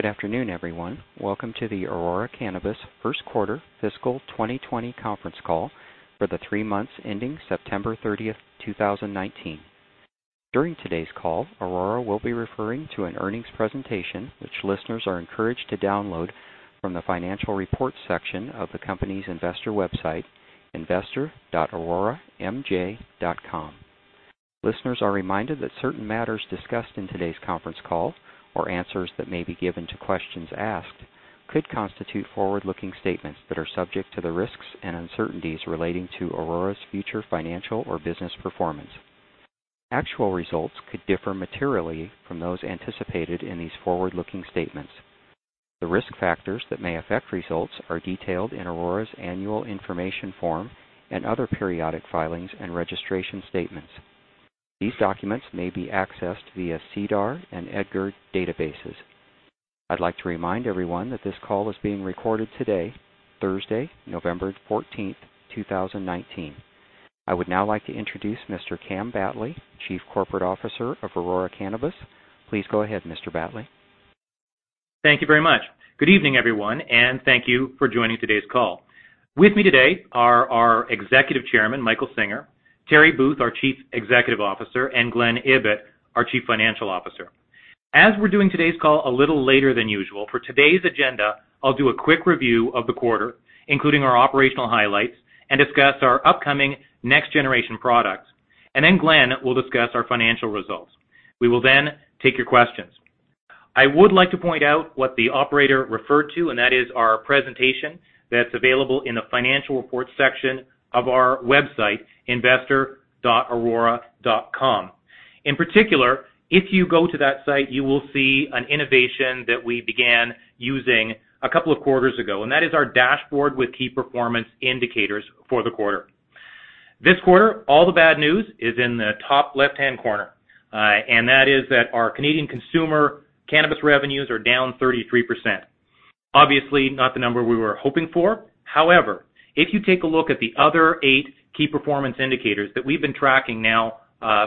Good afternoon, everyone. Welcome to the Aurora Cannabis First Quarter Fiscal 2020 Conference Call for the three months ending September 30th, 2019. During today's call, Aurora will be referring to an earnings presentation which listeners are encouraged to download from the financial reports section of the company's investor website, investor.auroramj.com. Listeners are reminded that certain matters discussed in today's conference call, or answers that may be given to questions asked, could constitute forward-looking statements that are subject to the risks and uncertainties relating to Aurora's future financial or business performance. Actual results could differ materially from those anticipated in these forward-looking statements. The risk factors that may affect results are detailed in Aurora's Annual Information Form and other periodic filings and registration statements. These documents may be accessed via SEDAR and EDGAR databases. I'd like to remind everyone that this call is being recorded today, Thursday, November 14th, 2019. I would now like to introduce Mr. Cam Battley, Chief Corporate Officer of Aurora Cannabis. Please go ahead, Mr. Battley. Thank you very much. Good evening, everyone, and thank you for joining today's call. With me today are our Executive Chairman, Michael Singer, Terry Booth, our Chief Executive Officer, and Glen Ibbott, our Chief Financial Officer. As we're doing today's call a little later than usual, for today's agenda, I'll do a quick review of the quarter, including our operational highlights, and discuss our upcoming next-generation products, and then Glen will discuss our financial results. We will then take your questions. I would like to point out what the operator referred to, and that is our presentation that's available in the financial reports section of our website, investor.auroracannabis.com. In particular, if you go to that site, you will see an innovation that we began using a couple of quarters ago, and that is our dashboard with key performance indicators for the quarter. This quarter, all the bad news is in the top left-hand corner, and that is that our Canadian consumer cannabis revenues are down 33%. Obviously, not the number we were hoping for. However, if you take a look at the other eight key performance indicators that we've been tracking now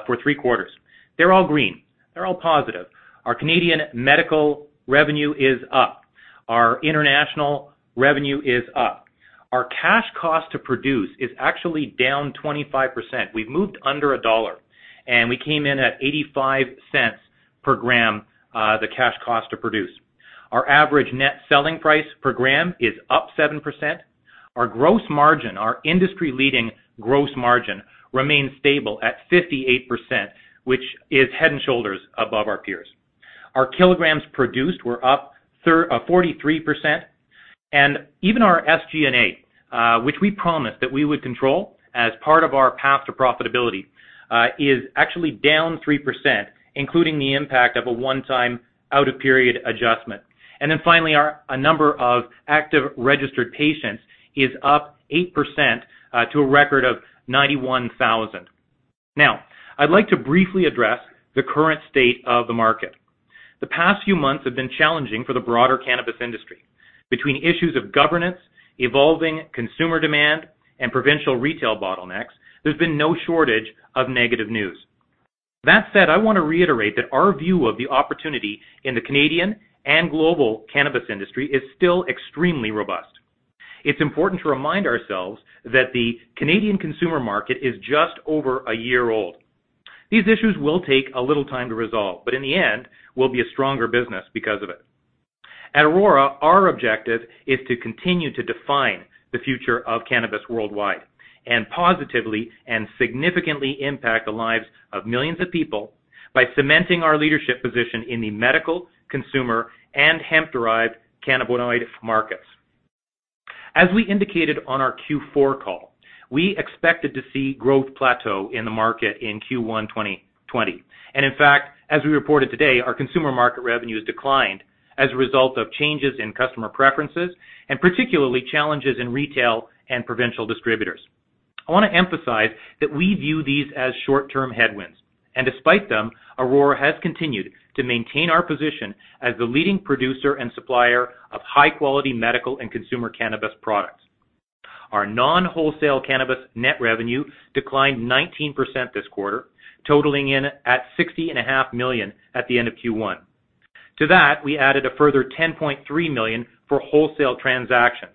for three quarters, they're all green. They're all positive. Our Canadian medical revenue is up. Our international revenue is up. Our cash cost to produce is actually down 25%. We've moved under CAD 1, and we came in at 0.85 per gram, the cash cost to produce. Our average net selling price per gram is up 7%. Our gross margin, our industry-leading gross margin, remains stable at 58%, which is head and shoulders above our peers. Our kilograms produced were up 43%. Even our SG&A, which we promised that we would control as part of our path to profitability, is actually down 3%, including the impact of a one-time out-of-period adjustment. Then finally, a number of active registered patients is up 8% to a record of 91,000. Now, I'd like to briefly address the current state of the market. The past few months have been challenging for the broader cannabis industry. Between issues of governance, evolving consumer demand, and provincial retail bottlenecks, there's been no shortage of negative news. That said, I want to reiterate that our view of the opportunity in the Canadian and global cannabis industry is still extremely robust. It's important to remind ourselves that the Canadian consumer market is just over a year old. These issues will take a little time to resolve, but in the end, we'll be a stronger business because of it. At Aurora, our objective is to continue to define the future of cannabis worldwide and positively and significantly impact the lives of millions of people by cementing our leadership position in the medical, consumer, and hemp-derived cannabinoid markets. As we indicated on our Q4 call, we expected to see growth plateau in the market in Q1 2020. And in fact, as we reported today, our consumer market revenues declined as a result of changes in customer preferences and particularly challenges in retail and provincial distributors. I want to emphasize that we view these as short-term headwinds. And despite them, Aurora has continued to maintain our position as the leading producer and supplier of high-quality medical and consumer cannabis products. Our non-wholesale cannabis net revenue declined 19% this quarter, totaling in at 60.5 million at the end of Q1. To that, we added a further 10.3 million for wholesale transactions.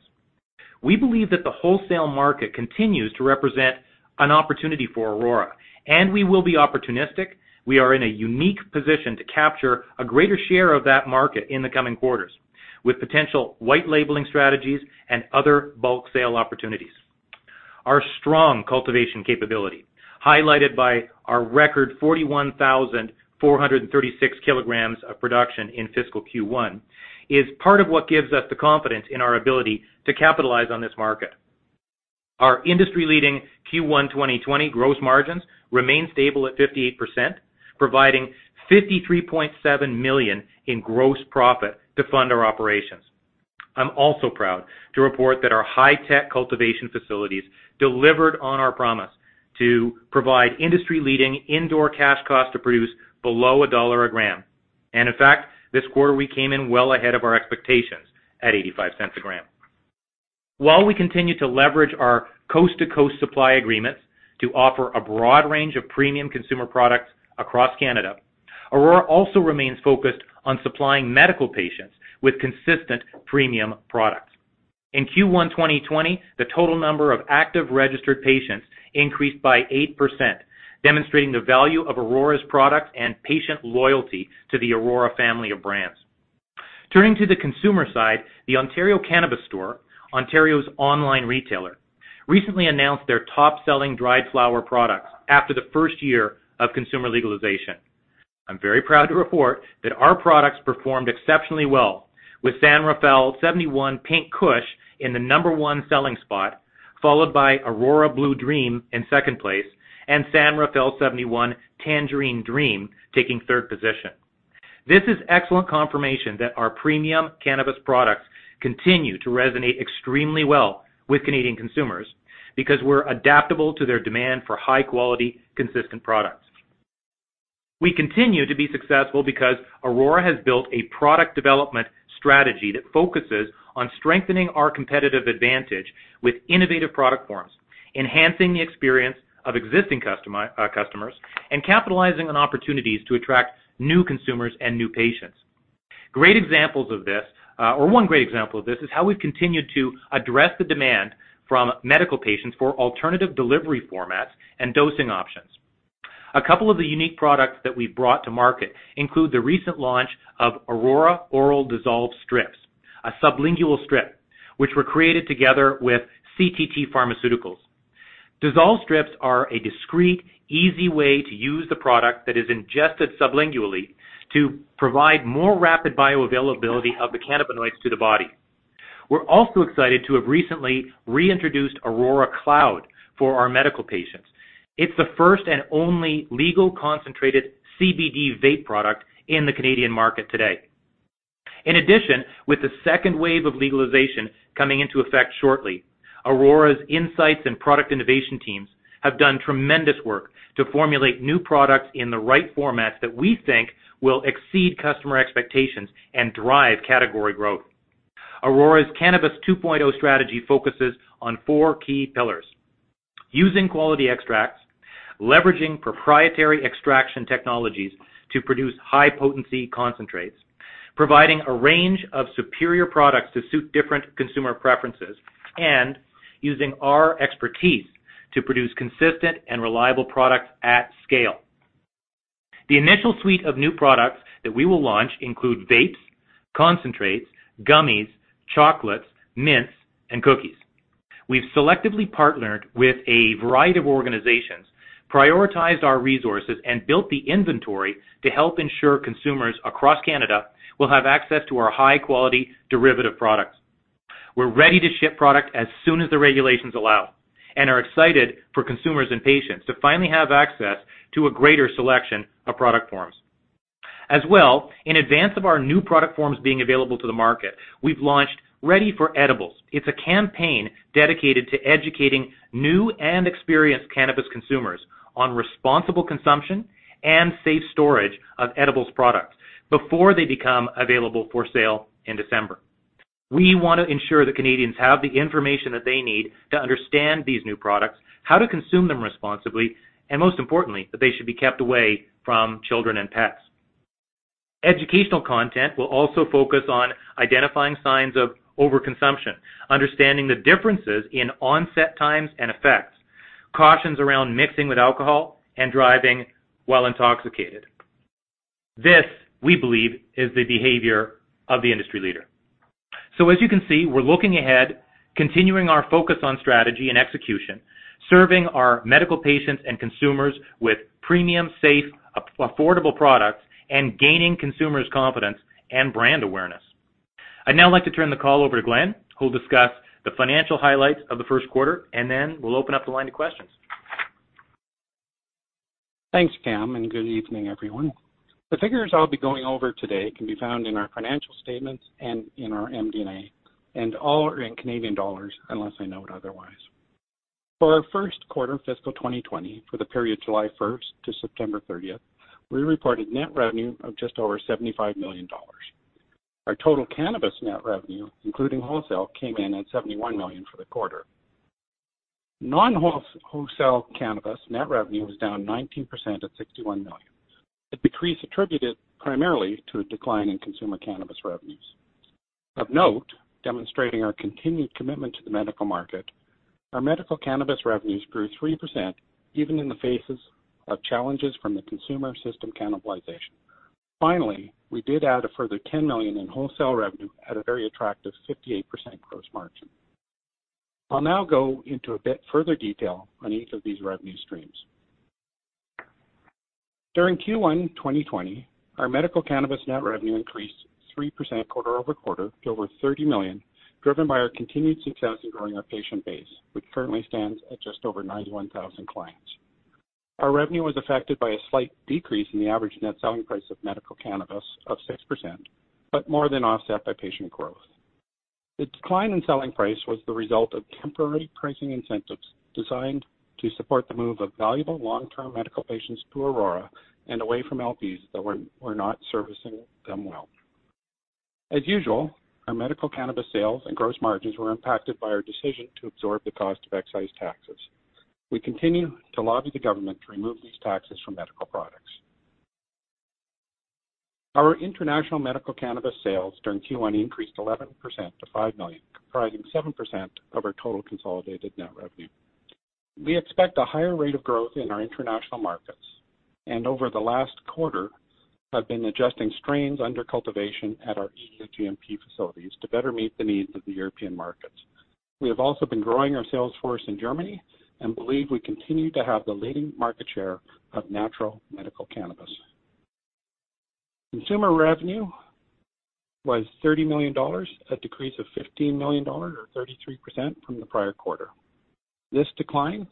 We believe that the wholesale market continues to represent an opportunity for Aurora, and we will be opportunistic. We are in a unique position to capture a greater share of that market in the coming quarters with potential white labeling strategies and other bulk sale opportunities. Our strong cultivation capability, highlighted by our record 41,436 kilograms of production in fiscal Q1, is part of what gives us the confidence in our ability to capitalize on this market. Our industry-leading Q1 2020 gross margins remain stable at 58%, providing 53.7 million in gross profit to fund our operations. I'm also proud to report that our high-tech cultivation facilities delivered on our promise to provide industry-leading indoor cash cost to produce below $1 a gram. In fact, this quarter we came in well ahead of our expectations at 0.85 a gram. While we continue to leverage our coast-to-coast supply agreements to offer a broad range of premium consumer products across Canada, Aurora also remains focused on supplying medical patients with consistent premium products. In Q1 2020, the total number of active registered patients increased by 8%, demonstrating the value of Aurora's products and patient loyalty to the Aurora family of brands. Turning to the consumer side, the Ontario Cannabis Store, Ontario's online retailer, recently announced their top-selling dried flower products after the first year of consumer legalization. I'm very proud to report that our products performed exceptionally well, with San Rafael '71 Pink Kush in the number one selling spot, followed by Aurora Blue Dream in second place, and San Rafael '71 Tangerine Dream taking third position. This is excellent confirmation that our premium cannabis products continue to resonate extremely well with Canadian consumers because we're adaptable to their demand for high-quality, consistent products. We continue to be successful because Aurora has built a product development strategy that focuses on strengthening our competitive advantage with innovative product forms, enhancing the experience of existing customers, and capitalizing on opportunities to attract new consumers and new patients. Great examples of this, or one great example of this, is how we've continued to address the demand from medical patients for alternative delivery formats and dosing options. A couple of the unique products that we've brought to market include the recent launch of Aurora Oral Dissolve Strips, a sublingual strip, which we're creating together with CTT Pharmaceuticals. Dissolve Strips are a discreet, easy way to use the product that is ingested sublingually to provide more rapid bioavailability of the cannabinoids to the body. We're also excited to have recently reintroduced Aurora Cloud for our medical patients. It's the first and only legal concentrated CBD vape product in the Canadian market today. In addition, with the second wave of legalization coming into effect shortly, Aurora's insights and product innovation teams have done tremendous work to formulate new products in the right formats that we think will exceed customer expectations and drive category growth. Aurora's Cannabis 2.0 strategy focuses on four key pillars: using quality extracts, leveraging proprietary extraction technologies to produce high-potency concentrates, providing a range of superior products to suit different consumer preferences, and using our expertise to produce consistent and reliable products at scale. The initial suite of new products that we will launch includes vapes, concentrates, gummies, chocolates, mints, and cookies. We've selectively partnered with a variety of organizations, prioritized our resources, and built the inventory to help ensure consumers across Canada will have access to our high-quality derivative products. We're ready to ship product as soon as the regulations allow and are excited for consumers and patients to finally have access to a greater selection of product forms. As well, in advance of our new product forms being available to the market, we've launched Ready for Edibles. It's a campaign dedicated to educating new and experienced cannabis consumers on responsible consumption and safe storage of edible products before they become available for sale in December. We want to ensure that Canadians have the information that they need to understand these new products, how to consume them responsibly, and most importantly, that they should be kept away from children and pets. Educational content will also focus on identifying signs of overconsumption, understanding the differences in onset times and effects, cautions around mixing with alcohol and driving while intoxicated. This, we believe, is the behavior of the industry leader. So as you can see, we're looking ahead, continuing our focus on strategy and execution, serving our medical patients and consumers with premium, safe, affordable products, and gaining consumers' confidence and brand awareness. I'd now like to turn the call over to Glen, who'll discuss the financial highlights of the first quarter, and then we'll open up the line to questions. Thanks, Cam, and good evening, everyone. The figures I'll be going over today can be found in our financial statements and in our MD&A, and all are in Canadian dollars unless I note otherwise. For our first quarter, fiscal 2020, for the period July 1st to September 30th, we reported net revenue of just over 75 million dollars. Our total cannabis net revenue, including wholesale, came in at 71 million for the quarter. Non-wholesale cannabis net revenue was down 19% at 61 million. The decrease attributed primarily to a decline in consumer cannabis revenues. Of note, demonstrating our continued commitment to the medical market, our medical cannabis revenues grew 3% even in the face of challenges from the consumer system cannibalization. Finally, we did add a further 10 million in wholesale revenue at a very attractive 58% gross margin. I'll now go into a bit further detail on each of these revenue streams. During Q1 2020, our medical cannabis net revenue increased 3% quarter over quarter to over 30 million, driven by our continued success in growing our patient base, which currently stands at just over 91,000 clients. Our revenue was affected by a slight decrease in the average net selling price of medical cannabis of 6%, but more than offset by patient growth. The decline in selling price was the result of temporary pricing incentives designed to support the move of valuable long-term medical patients to Aurora and away from LPs that were not servicing them well. As usual, our medical cannabis sales and gross margins were impacted by our decision to absorb the cost of excise taxes. We continue to lobby the government to remove these taxes from medical products. Our international medical cannabis sales during Q1 increased 11% to 5 million, comprising 7% of our total consolidated net revenue. We expect a higher rate of growth in our international markets and over the last quarter have been adjusting strains under cultivation at our EU GMP facilities to better meet the needs of the European markets. We have also been growing our sales force in Germany and believe we continue to have the leading market share of natural medical cannabis. Consumer revenue was 30 million dollars, a decrease of 15 million dollars or 33% from the prior quarter. This decline,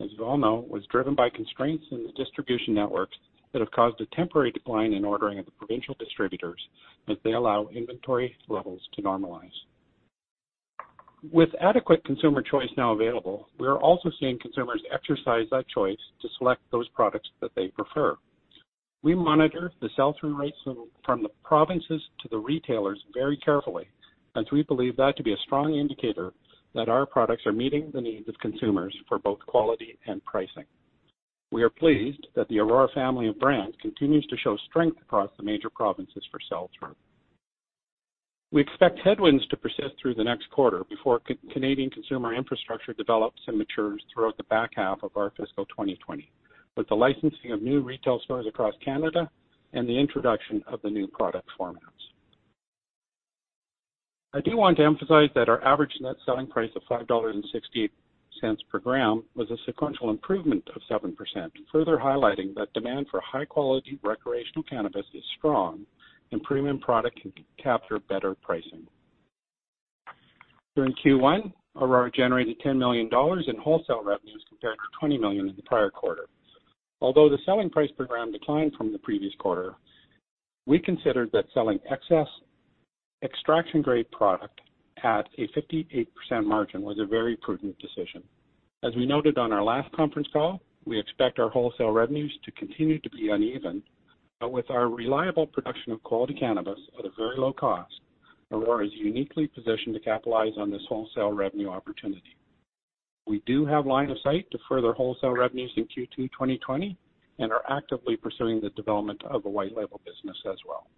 as you all know, was driven by constraints in the distribution networks that have caused a temporary decline in ordering of the provincial distributors as they allow inventory levels to normalize. With adequate consumer choice now available, we are also seeing consumers exercise that choice to select those products that they prefer. We monitor the sell-through rates from the provinces to the retailers very carefully as we believe that to be a strong indicator that our products are meeting the needs of consumers for both quality and pricing. We are pleased that the Aurora family of brands continues to show strength across the major provinces for sell-through. We expect headwinds to persist through the next quarter before Canadian consumer infrastructure develops and matures throughout the back half of our fiscal 2020, with the licensing of new retail stores across Canada and the introduction of the new product formats. I do want to emphasize that our average net selling price of 5.68 dollars per gram was a sequential improvement of 7%, further highlighting that demand for high-quality recreational cannabis is strong and premium product can capture better pricing. During Q1, Aurora generated 10 million dollars in wholesale revenues compared to 20 million in the prior quarter. Although the selling price per gram declined from the previous quarter, we considered that selling excess extraction-grade product at a 58% margin was a very prudent decision. As we noted on our last conference call, we expect our wholesale revenues to continue to be uneven, but with our reliable production of quality cannabis at a very low cost, Aurora is uniquely positioned to capitalize on this wholesale revenue opportunity. We do have line of sight to further wholesale revenues in Q2 2020 and are actively pursuing the development of a white label business as well.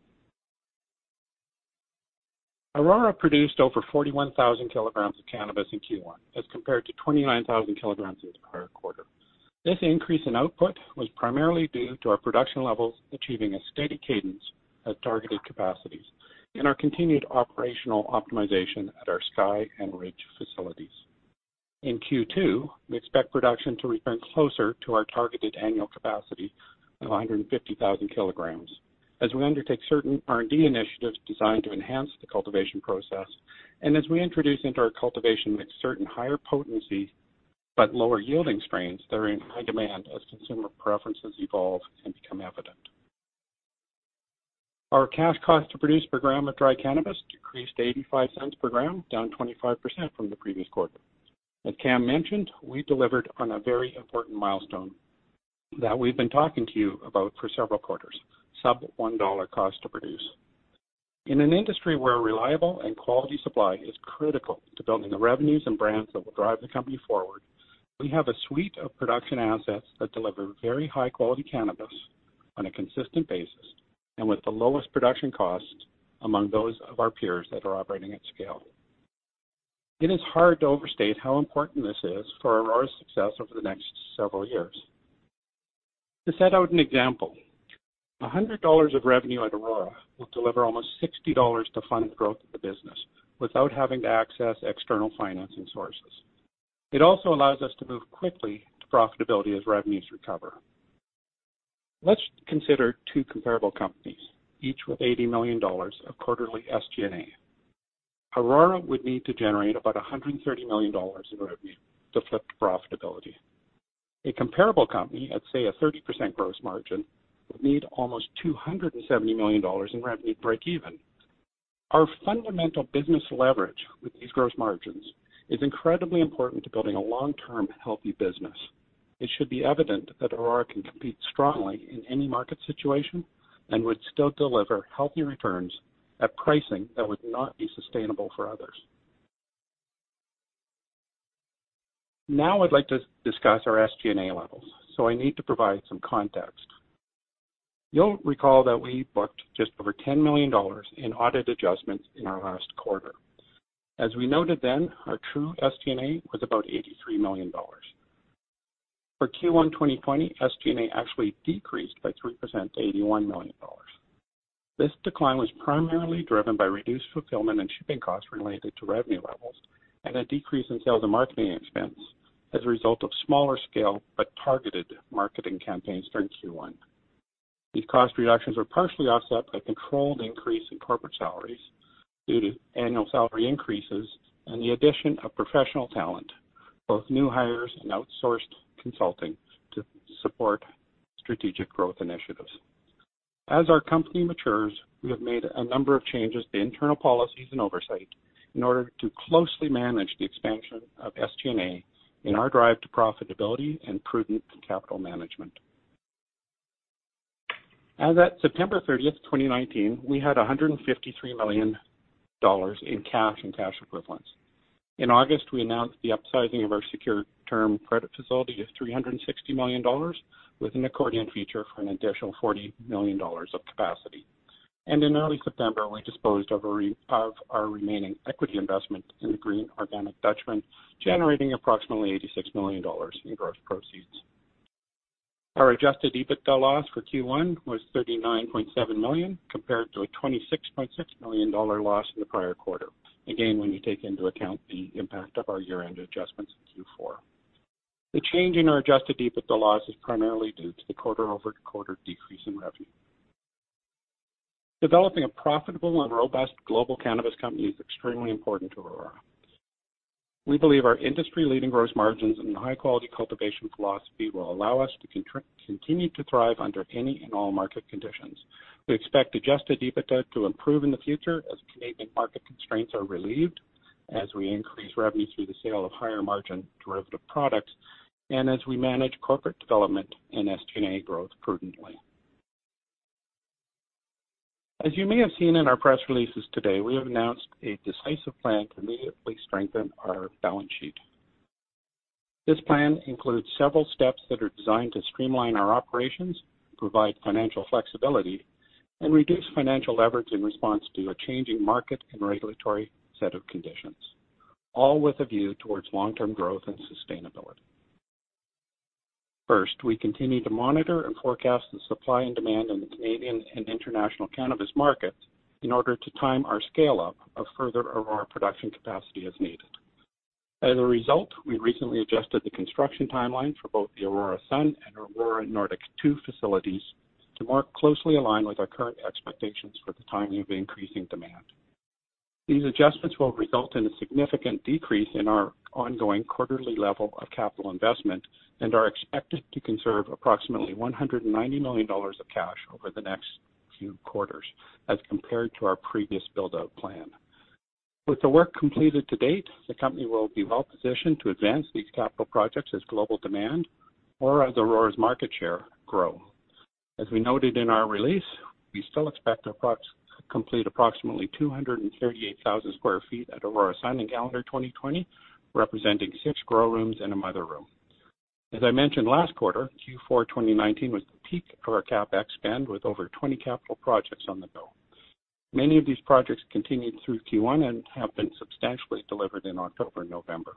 Aurora produced over 41,000 kilograms of cannabis in Q1 as compared to 29,000 kilograms in the prior quarter. This increase in output was primarily due to our production levels achieving a steady cadence at targeted capacities and our continued operational optimization at our Aurora Sky and Aurora Ridge facilities. In Q2, we expect production to return closer to our targeted annual capacity of 150,000 kilograms as we undertake certain R&D initiatives designed to enhance the cultivation process and as we introduce into our cultivation mix certain higher potency but lower yielding strains that are in high demand as consumer preferences evolve and become evident. Our cash cost to produce per gram of dry cannabis decreased 0.85 per gram, down 25% from the previous quarter. As Cam mentioned, we delivered on a very important milestone that we've been talking to you about for several quarters: sub-CAD 1 cost to produce. In an industry where reliable and quality supply is critical to building the revenues and brands that will drive the company forward, we have a suite of production assets that deliver very high-quality cannabis on a consistent basis and with the lowest production cost among those of our peers that are operating at scale. It is hard to overstate how important this is for Aurora's success over the next several years. To set out an example, 100 dollars of revenue at Aurora will deliver almost 60 dollars to fund the growth of the business without having to access external financing sources. It also allows us to move quickly to profitability as revenues recover. Let's consider two comparable companies, each with 80 million dollars of quarterly SG&A. Aurora would need to generate about 130 million dollars in revenue to flip to profitability. A comparable company at, say, a 30% gross margin would need almost 270 million dollars in revenue to break even. Our fundamental business leverage with these gross margins is incredibly important to building a long-term healthy business. It should be evident that Aurora can compete strongly in any market situation and would still deliver healthy returns at pricing that would not be sustainable for others. Now I'd like to discuss our SG&A levels, so I need to provide some context. You'll recall that we booked just over 10 million dollars in audit adjustments in our last quarter. As we noted then, our true SG&A was about 83 million dollars. For Q1 2020, SG&A actually decreased by 3% to 81 million dollars. This decline was primarily driven by reduced fulfillment and shipping costs related to revenue levels and a decrease in sales and marketing expense as a result of smaller scale but targeted marketing campaigns during Q1. These cost reductions were partially offset by a controlled increase in corporate salaries due to annual salary increases and the addition of professional talent, both new hires and outsourced consulting to support strategic growth initiatives. As our company matures, we have made a number of changes to internal policies and oversight in order to closely manage the expansion of SG&A in our drive to profitability and prudent capital management. As at September 30th, 2019, we had 153 million dollars in cash and cash equivalents. In August, we announced the upsizing of our secure term credit facility to 360 million dollars with an accordion feature for an additional 40 million dollars of capacity. In early September, we disposed of our remaining equity investment in The Green Organic Dutchman, generating approximately $86 million in gross proceeds. Our adjusted EBITDA loss for Q1 was $39.7 million compared to a $26.6 million loss in the prior quarter, again when you take into account the impact of our year-end adjustments in Q4. The change in our adjusted EBITDA loss is primarily due to the quarter-over-quarter decrease in revenue. Developing a profitable and robust global cannabis company is extremely important to Aurora. We believe our industry-leading gross margins and high-quality cultivation philosophy will allow us to continue to thrive under any and all market conditions. We expect adjusted EBITDA to improve in the future as Canadian market constraints are relieved as we increase revenue through the sale of higher margin derivative products and as we manage corporate development and SG&A growth prudently. As you may have seen in our press releases today, we have announced a decisive plan to immediately strengthen our balance sheet. This plan includes several steps that are designed to streamline our operations, provide financial flexibility, and reduce financial leverage in response to a changing market and regulatory set of conditions, all with a view toward long-term growth and sustainability. First, we continue to monitor and forecast the supply and demand in the Canadian and international cannabis markets in order to time our scale-up of further Aurora production capacity as needed. As a result, we recently adjusted the construction timeline for both the Aurora Sun and Aurora Nordic 2 facilities to more closely align with our current expectations for the timing of increasing demand. These adjustments will result in a significant decrease in our ongoing quarterly level of capital investment and are expected to conserve approximately 190 million dollars of cash over the next few quarters as compared to our previous build-up plan. With the work completed to date, the company will be well-positioned to advance these capital projects as global demand or as Aurora's market share grow. As we noted in our release, we still expect to complete approximately 238,000 sq ft at Aurora Sun in calendar 2020, representing six grow rooms and a mother room. As I mentioned last quarter, Q4 2019 was the peak of our CapEx spend with over 20 capital projects on the go. Many of these projects continued through Q1 and have been substantially delivered in October and November.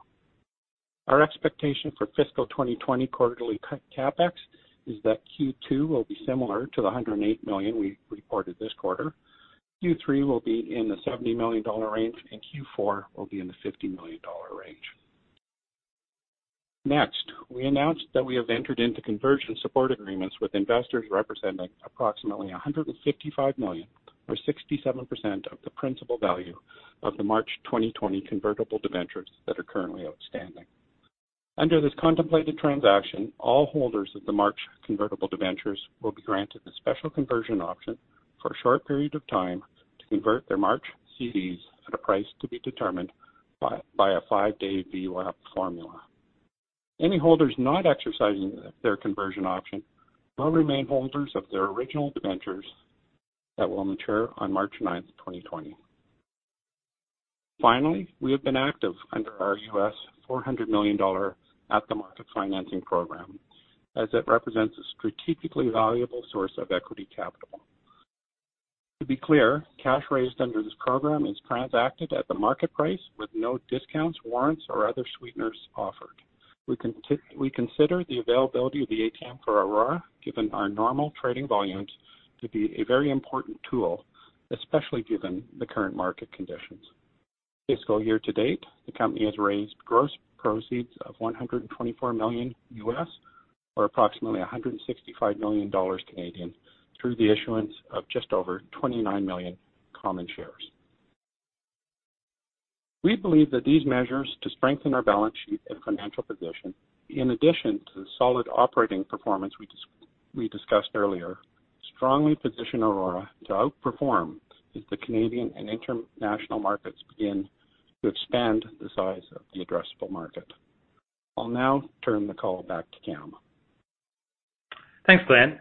Our expectation for fiscal 2020 quarterly CapEx is that Q2 will be similar to the 108 million we reported this quarter. Q3 will be in the 70 million dollar range and Q4 will be in the 50 million dollar range. Next, we announced that we have entered into conversion support agreements with investors representing approximately 155 million, or 67% of the principal value of the March 2020 convertible debentures that are currently outstanding. Under this contemplated transaction, all holders of the March convertible debentures will be granted a special conversion option for a short period of time to convert their March CDs at a price to be determined by a five-day VWAP formula. Any holders not exercising their conversion option will remain holders of their original debentures that will mature on March 9th, 2020. Finally, we have been active under our U.S. $400 million at-the-market financing program as it represents a strategically valuable source of equity capital. To be clear, cash raised under this program is transacted at the market price with no discounts, warrants, or other sweeteners offered. We consider the availability of the ATM for Aurora, given our normal trading volumes, to be a very important tool, especially given the current market conditions. Fiscal year to date, the company has raised gross proceeds of $124 million USD, or approximately 165 million dollars, through the issuance of just over 29 million common shares. We believe that these measures to strengthen our balance sheet and financial position, in addition to the solid operating performance we discussed earlier, strongly position Aurora to outperform as the Canadian and international markets begin to expand the size of the addressable market. I'll now turn the call back to Cam. Thanks, Glenn.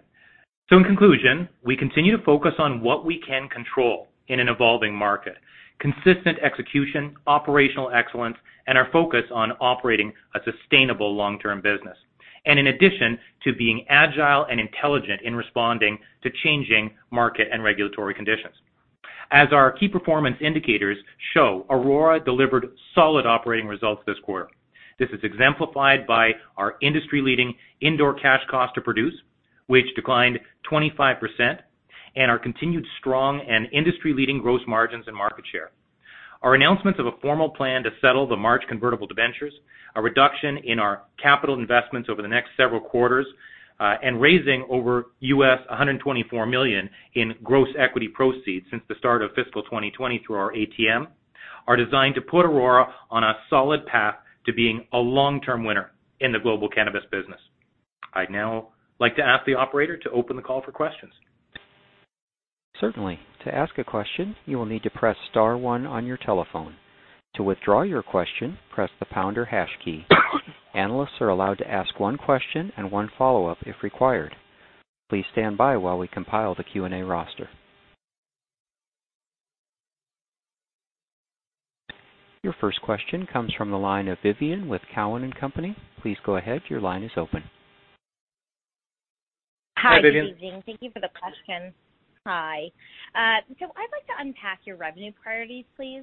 In conclusion, we continue to focus on what we can control in an evolving market: consistent execution, operational excellence, and our focus on operating a sustainable long-term business, and in addition to being agile and intelligent in responding to changing market and regulatory conditions. As our key performance indicators show, Aurora delivered solid operating results this quarter. This is exemplified by our industry-leading indoor cash cost to produce, which declined 25%, and our continued strong and industry-leading gross margins and market share. Our announcements of a formal plan to settle the March convertible debentures, a reduction in our capital investments over the next several quarters, and raising over $124 million in gross equity proceeds since the start of fiscal 2020 through our ATM are designed to put Aurora on a solid path to being a long-term winner in the global cannabis business. I'd now like to ask the operator to open the call for questions. Certainly. To ask a question, you will need to press star one on your telephone. To withdraw your question, press the pound or hash key. Analysts are allowed to ask one question and one follow-up if required. Please stand by while we compile the Q&A roster. Your first question comes from the line of Vivien Azer with Cowen and Company. Please go ahead. Your line is open. Hi, Vivien. Hi, Vivien. Thank you for the question. Hi. So I'd like to unpack your revenue priorities, please.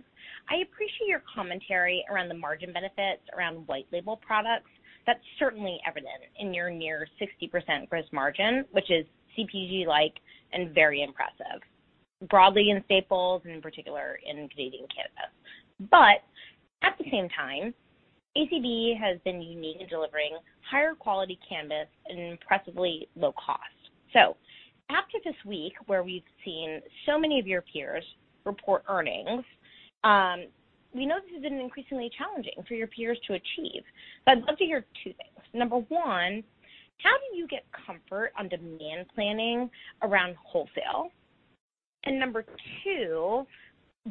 I appreciate your commentary around the margin benefits around white label products. That's certainly evident in your near 60% gross margin, which is CPG-like and very impressive, broadly in staples and in particular in Canadian cannabis. But at the same time, ACB has been unique in delivering higher quality cannabis at an impressively low cost. So after this week, where we've seen so many of your peers report earnings, we know this has been increasingly challenging for your peers to achieve. So I'd love to hear two things. Number one, how do you get comfort on demand planning around wholesale? And number two,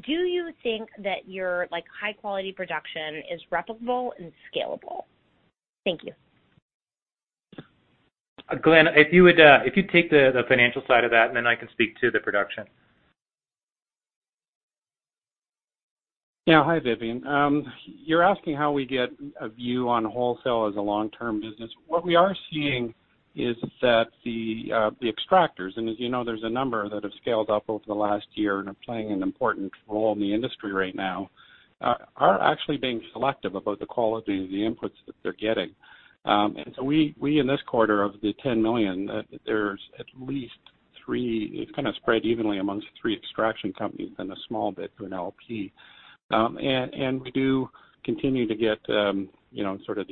do you think that your high-quality production is replicable and scalable? Thank you. Glen, if you take the financial side of that, and then I can speak to the production. Yeah. Hi, Vivian. You're asking how we get a view on wholesale as a long-term business. What we are seeing is that the extractors—and as you know, there's a number that have scaled up over the last year and are playing an important role in the industry right now—are actually being selective about the quality of the inputs that they're getting, and so we, in this quarter, the 10 million, there's at least three—it's kind of spread evenly among three extraction companies and a small bit to an LP. And we do continue to get sort of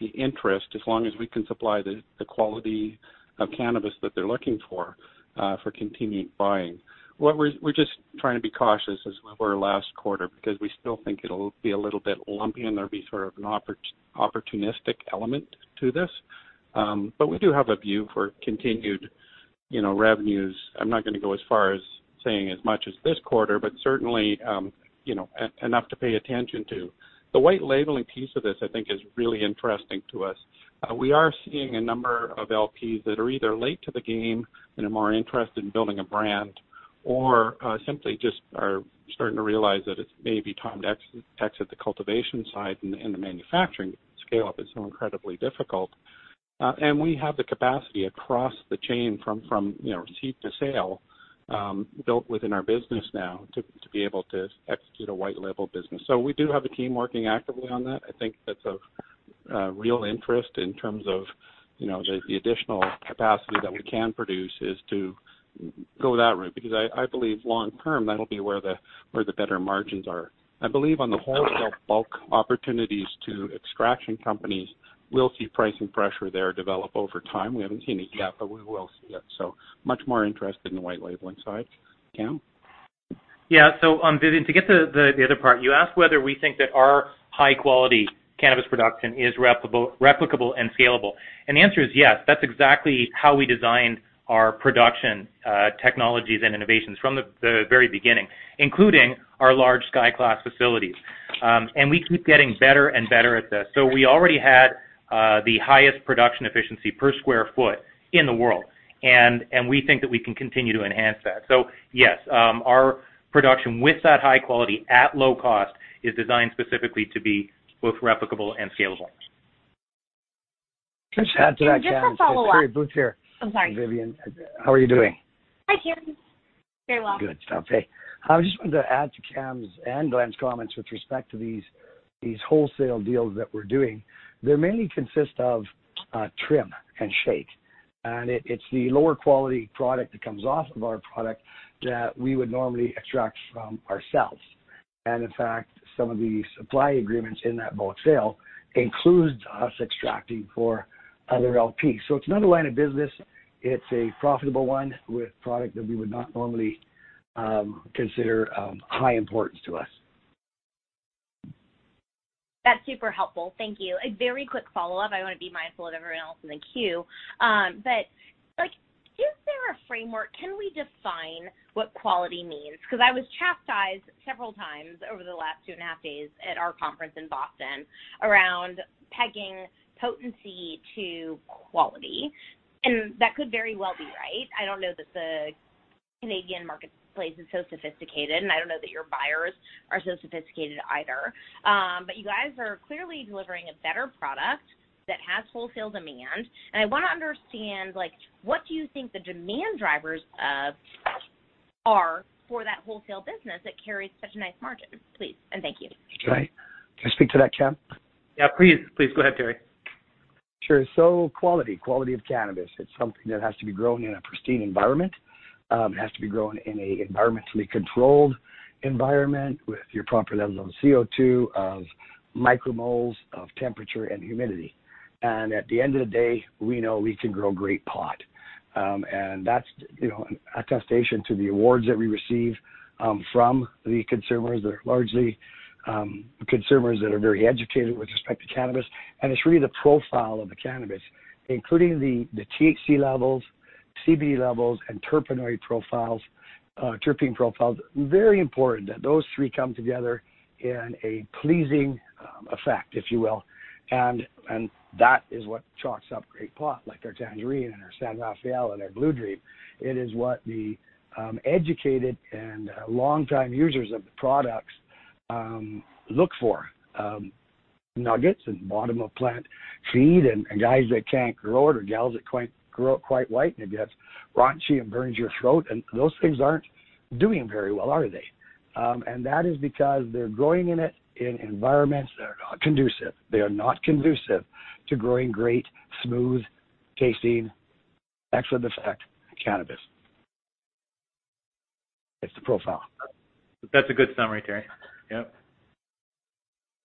the interest as long as we can supply the quality of cannabis that they're looking for continued buying. We're just trying to be cautious as we were last quarter because we still think it'll be a little bit lumpy and there'll be sort of an opportunistic element to this, but we do have a view for continued revenues. I'm not going to go as far as saying as much as this quarter, but certainly enough to pay attention to. The white labeling piece of this, I think, is really interesting to us. We are seeing a number of LPs that are either late to the game and are more interested in building a brand or simply just are starting to realize that it's maybe time to exit the cultivation side and the manufacturing scale-up is so incredibly difficult. And we have the capacity across the chain from seed to sale built within our business now to be able to execute a white label business. So we do have a team working actively on that. I think that's of real interest in terms of the additional capacity that we can produce, is to go that route because I believe long-term that'll be where the better margins are. I believe on the wholesale bulk opportunities to extraction companies, we'll see pricing pressure there develop over time. We haven't seen it yet, but we will see it. So much more interested in the white labeling side. Cam. Yeah. So, Vivian, to get to the other part, you asked whether we think that our high-quality cannabis production is replicable and scalable. And the answer is yes. That's exactly how we designed our production technologies and innovations from the very beginning, including our large Sky-class facilities. And we keep getting better and better at this. So we already had the highest production efficiency per square foot in the world, and we think that we can continue to enhance that. So yes, our production with that high quality at low cost is designed specifically to be both replicable and scalable. Just had to add to that. I'm sorry. Vivian, how are you doing? Hi, Team. Very well. Good. Okay. I just wanted to add to Cam's and Glen's comments with respect to these wholesale deals that we're doing. They mainly consist of trim and shake. And it's the lower quality product that comes off of our product that we would normally extract from ourselves. And in fact, some of the supply agreements in that bulk sale include us extracting for other LPs. So it's another line of business. It's a profitable one with product that we would not normally consider high importance to us. That's super helpful. Thank you. A very quick follow-up. I want to be mindful of everyone else in the queue. But is there a framework? Can we define what quality means? Because I was chastised several times over the last two and a half days at our conference in Boston around pegging potency to quality, and that could very well be right. I don't know that the Canadian marketplace is so sophisticated, and I don't know that your buyers are so sophisticated either, but you guys are clearly delivering a better product that has wholesale demand, and I want to understand what do you think the demand drivers are for that wholesale business that carries such a nice margin. Please, and thank you. Can I speak to that, Cam? Yeah. Please go ahead, Terry. Sure. So quality. Quality of cannabis. It's something that has to be grown in a pristine environment. It has to be grown in an environmentally controlled environment with your proper levels of CO2, of micromoles, of temperature and humidity. And at the end of the day, we know we can grow great pot. And that's a testament to the awards that we receive from the consumers. They're largely consumers that are very educated with respect to cannabis. And it's really the profile of the cannabis, including the THC levels, CBD levels, and terpene profiles, terpene profiles. Very important that those three come together in a pleasing effect, if you will. And that is what chalks up great pot like our Tangerine and our San Rafael and our Blue Dream. It is what the educated and long-time users of the products look for: nuggets and bottom-of-plant feed and guys that can't grow it or cure it quite right and it gets raunchy and burns your throat. And those things aren't doing very well, are they? And that is because they're growing it in environments that are not conducive to growing great, smooth, tasting, excellent effect cannabis. It's the profile. That's a good summary, Terry. Yep.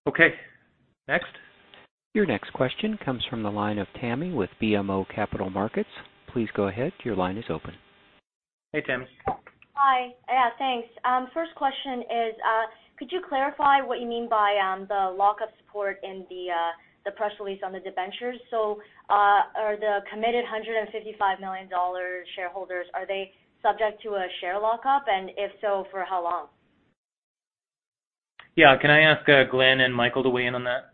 Okay. Next. Your next question comes from the line of Tamy with BMO Capital Markets. Please go ahead. Your line is open. Hey, Tamy. Hi. Yeah. Thanks. First question is, could you clarify what you mean by the lock-up support in the press release on the debentures? So are the committed 155 million dollars shareholders, are they subject to a share lock-up? And if so, for how long? Yeah. Can I ask Glen and Michael to weigh in on that?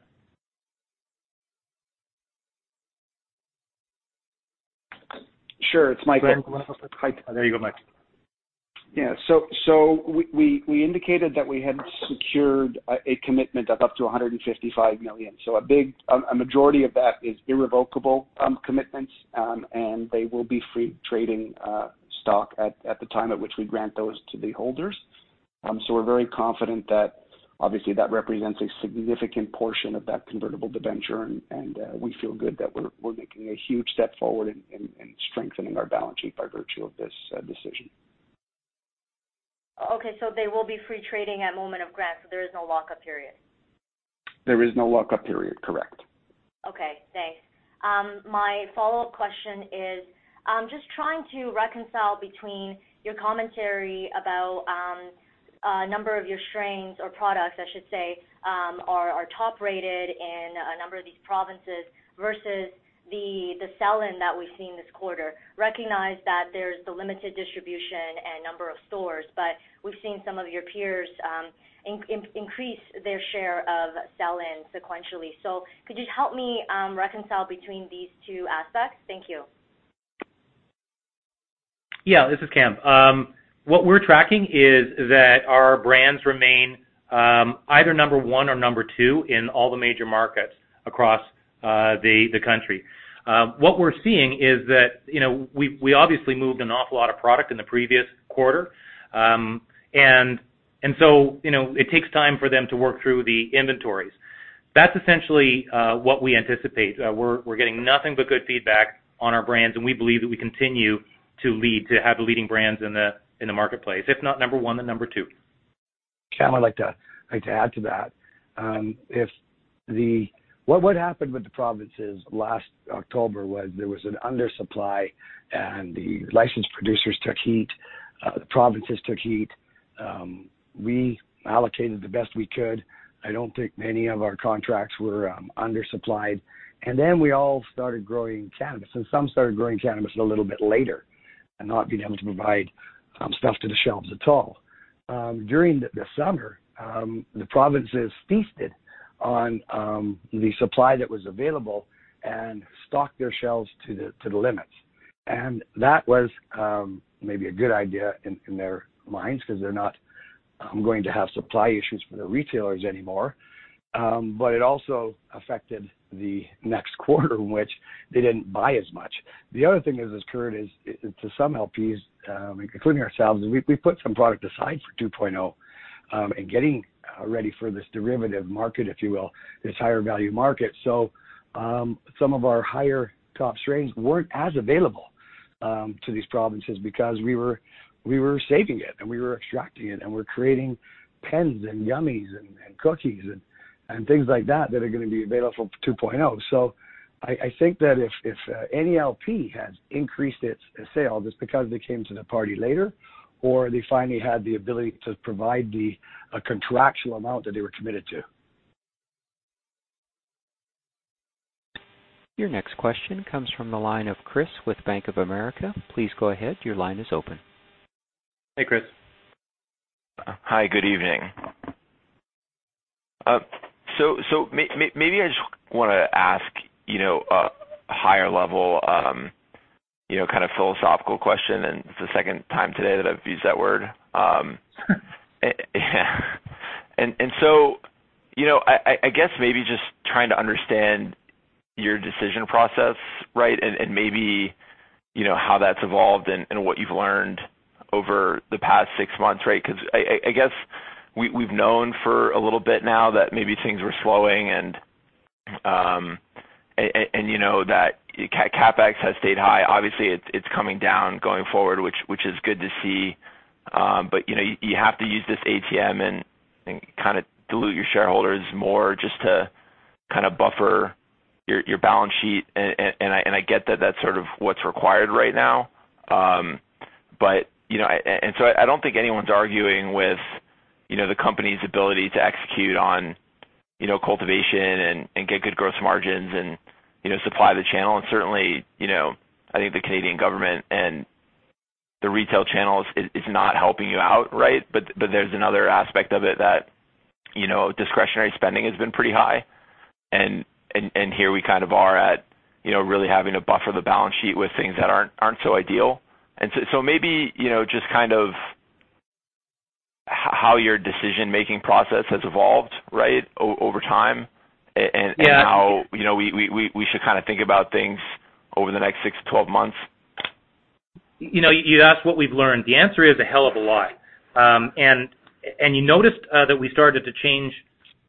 Sure. It's Michael. There you go, Mike. Yeah. So we indicated that we had secured a commitment of up to 155 million. So a majority of that is irrevocable commitments, and they will be free trading stock at the time at which we grant those to the holders. So we're very confident that, obviously, that represents a significant portion of that convertible debenture. And we feel good that we're making a huge step forward in strengthening our balance sheet by virtue of this decision. Okay. So they will be free trading at moment of grant, so there is no lock-up period? There is no lock-up period. Correct. Okay. Thanks. My follow-up question is, just trying to reconcile between your commentary about a number of your strains or products, I should say, are top-rated in a number of these provinces versus the sell-in that we've seen this quarter. Recognize that there's the limited distribution and number of stores, but we've seen some of your peers increase their share of sell-in sequentially. So could you help me reconcile between these two aspects? Thank you. Yeah. This is Cam. What we're tracking is that our brands remain either number one or number two in all the major markets across the country. What we're seeing is that we obviously moved an awful lot of product in the previous quarter. And so it takes time for them to work through the inventories. That's essentially what we anticipate. We're getting nothing but good feedback on our brands, and we believe that we continue to lead to have the leading brands in the marketplace, if not number one, then number two. Cam, I'd like to add to that. What happened with the provinces last October was there was an undersupply, and the licensed producers took heat. The provinces took heat. We allocated the best we could. I don't think many of our contracts were undersupplied. We all started growing cannabis. Some started growing cannabis a little bit later and not being able to provide stuff to the shelves at all. During the summer, the provinces feasted on the supply that was available and stocked their shelves to the limits. That was maybe a good idea in their minds because they're not going to have supply issues for the retailers anymore. It also affected the next quarter in which they didn't buy as much. The other thing that has occurred is to some LPs, including ourselves, we put some product aside for 2.0 and getting ready for this derivative market, if you will, this higher value market. So some of our higher top strains weren't as available to these provinces because we were saving it, and we were extracting it, and we're creating pens and gummies and cookies and things like that that are going to be available for 2.0. So I think that if any LP has increased its sales is because they came to the party later or they finally had the ability to provide the contractual amount that they were committed to. Your next question comes from the line of Chris with Bank of America. Please go ahead. Your line is open. Hey, Chris. Hi. Good evening. So maybe I just want to ask a higher level kind of philosophical question. And it's the second time today that I've used that word. And so I guess maybe just trying to understand your decision process, right, and maybe how that's evolved and what you've learned over the past six months, right? Because I guess we've known for a little bit now that maybe things were slowing and that CapEx has stayed high. Obviously, it's coming down going forward, which is good to see. But you have to use this ATM and kind of dilute your shareholders more just to kind of buffer your balance sheet. And I get that that's sort of what's required right now. But and so I don't think anyone's arguing with the company's ability to execute on cultivation and get good gross margins and supply the channel. And certainly, I think the Canadian government and the retail channels is not helping you out, right? But there's another aspect of it that discretionary spending has been pretty high. And here we kind of are at really having to buffer the balance sheet with things that aren't so ideal. And so maybe just kind of how your decision-making process has evolved, right, over time and how we should kind of think about things over the next six to 12 months. You asked what we've learned. The answer is a hell of a lot. And you noticed that we started to change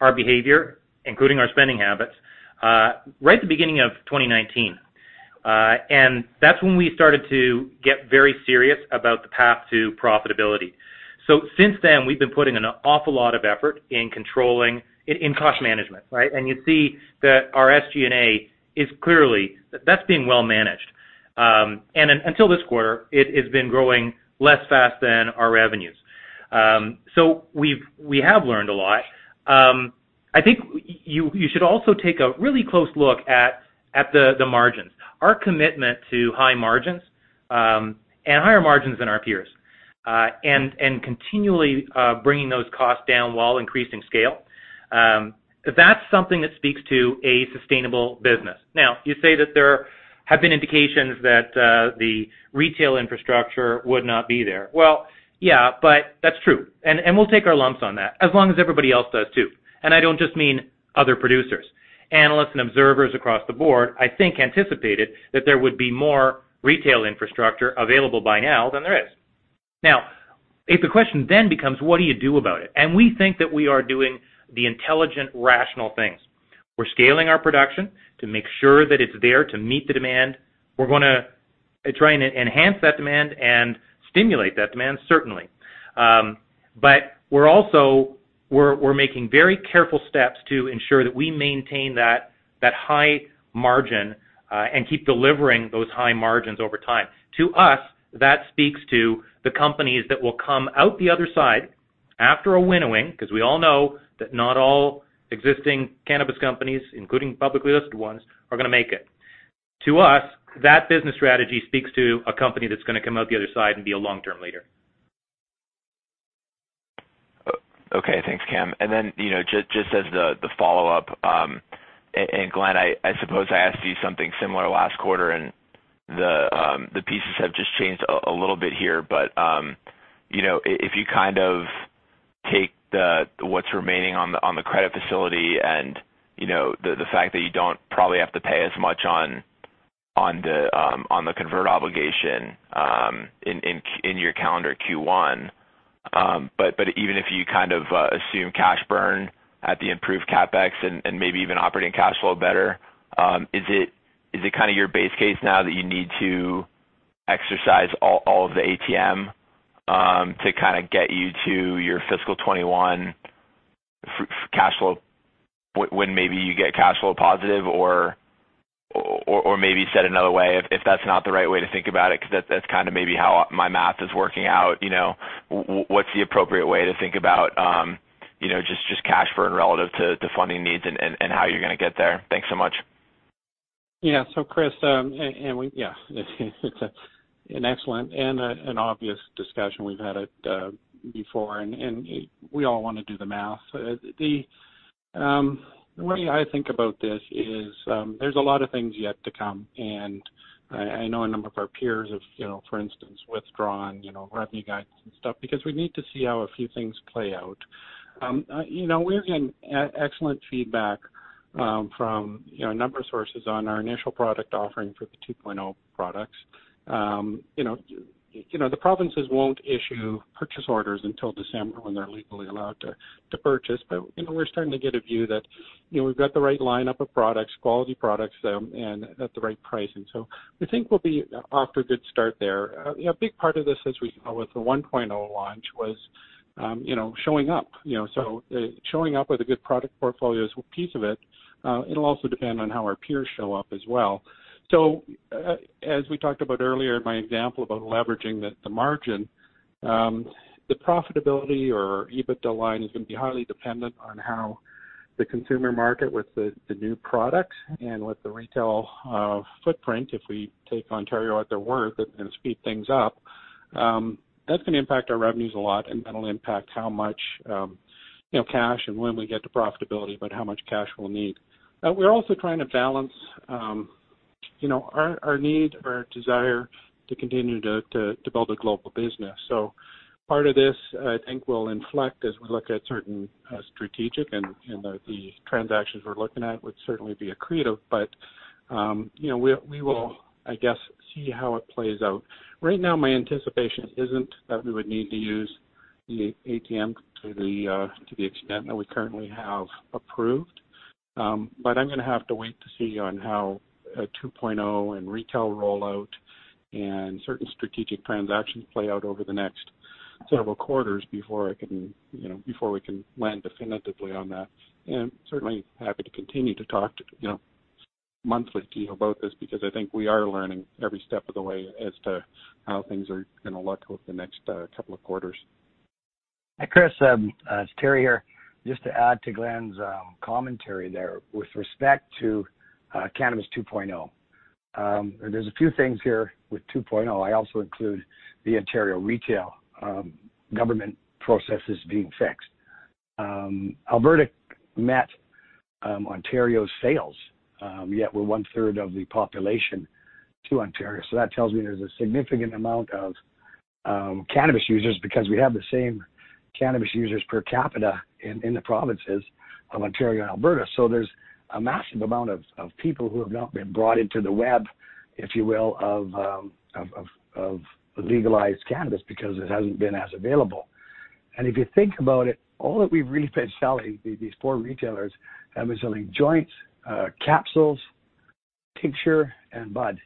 our behavior, including our spending habits, right at the beginning of 2019. And that's when we started to get very serious about the path to profitability. So since then, we've been putting an awful lot of effort in cost management, right? And you see that our SG&A is clearly that's being well managed. And until this quarter, it has been growing less fast than our revenues. So we have learned a lot. I think you should also take a really close look at the margins. Our commitment to high margins and higher margins than our peers and continually bringing those costs down while increasing scale, that's something that speaks to a sustainable business. Now, you say that there have been indications that the retail infrastructure would not be there. Well, yeah, but that's true. And we'll take our lumps on that as long as everybody else does too. And I don't just mean other producers. Analysts and observers across the board, I think, anticipated that there would be more retail infrastructure available by now than there is. Now, if the question then becomes, what do you do about it? And we think that we are doing the intelligent, rational things. We're scaling our production to make sure that it's there to meet the demand. We're going to try and enhance that demand and stimulate that demand, certainly. But we're making very careful steps to ensure that we maintain that high margin and keep delivering those high margins over time. To us, that speaks to the companies that will come out the other side after a winnowing because we all know that not all existing cannabis companies, including publicly listed ones, are going to make it. To us, that business strategy speaks to a company that's going to come out the other side and be a long-term leader. Okay. Thanks, Cam. And then just as the follow-up, and Glen, I suppose I asked you something similar last quarter, and the pieces have just changed a little bit here. But if you kind of take what's remaining on the credit facility and the fact that you don't probably have to pay as much on the convert obligation in your calendar Q1, but even if you kind of assume cash burn at the improved CapEx and maybe even operating cash flow better, is it kind of your base case now that you need to exercise all of the ATM to kind of get you to your fiscal 2021 cash flow when maybe you get cash flow positive or maybe said another way if that's not the right way to think about it? Because that's kind of maybe how my math is working out. What's the appropriate way to think about just cash burn relative to funding needs and how you're going to get there? Thanks so much. Yeah. So, Chris, and yeah, it's an excellent and an obvious discussion we've had before. And we all want to do the math. The way I think about this is there's a lot of things yet to come. And I know a number of our peers have, for instance, withdrawn revenue guides and stuff because we need to see how a few things play out. We've got excellent feedback from a number of sources on our initial product offering for the 2.0 products. The provinces won't issue purchase orders until December when they're legally allowed to purchase. But we're starting to get a view that we've got the right lineup of products, quality products, and at the right pricing. So we think we'll be off to a good start there. A big part of this as we go with the 1.0 launch was showing up. Showing up with a good product portfolio is a piece of it. It will also depend on how our peers show up as well. As we talked about earlier, my example about leveraging the margin, the profitability or EBITDA line is going to be highly dependent on how the consumer market with the new products and with the retail footprint, if we take Ontario at their word and speed things up, that is going to impact our revenues a lot. That will impact how much cash and when we get to profitability, but how much cash we will need. We are also trying to balance our need or our desire to continue to build a global business. Part of this, I think, will inflect as we look at certain strategic and the transactions we are looking at would certainly be accretive. We will, I guess, see how it plays out. Right now, my anticipation isn't that we would need to use the ATM to the extent that we currently have approved. But I'm going to have to wait to see on how 2.0 and retail rollout and certain strategic transactions play out over the next several quarters before we can land definitively on that. And certainly happy to continue to talk monthly to you about this because I think we are learning every step of the way as to how things are going to look over the next couple of quarters. Hey, Chris, it's Terry here. Just to add to Glen's commentary there with respect to cannabis 2.0, there's a few things here with 2.0. I also include the Ontario retail government processes being fixed. Alberta met Ontario's sales, yet we're one-third of the population of Ontario. That tells me there's a significant amount of cannabis users because we have the same cannabis users per capita in the provinces of Ontario and Alberta. There's a massive amount of people who have not been brought into the web, if you will, of legalized cannabis because it hasn't been as available. If you think about it, all that we've really been selling, these four retailers, have been selling joints, capsules, tincture, and bud.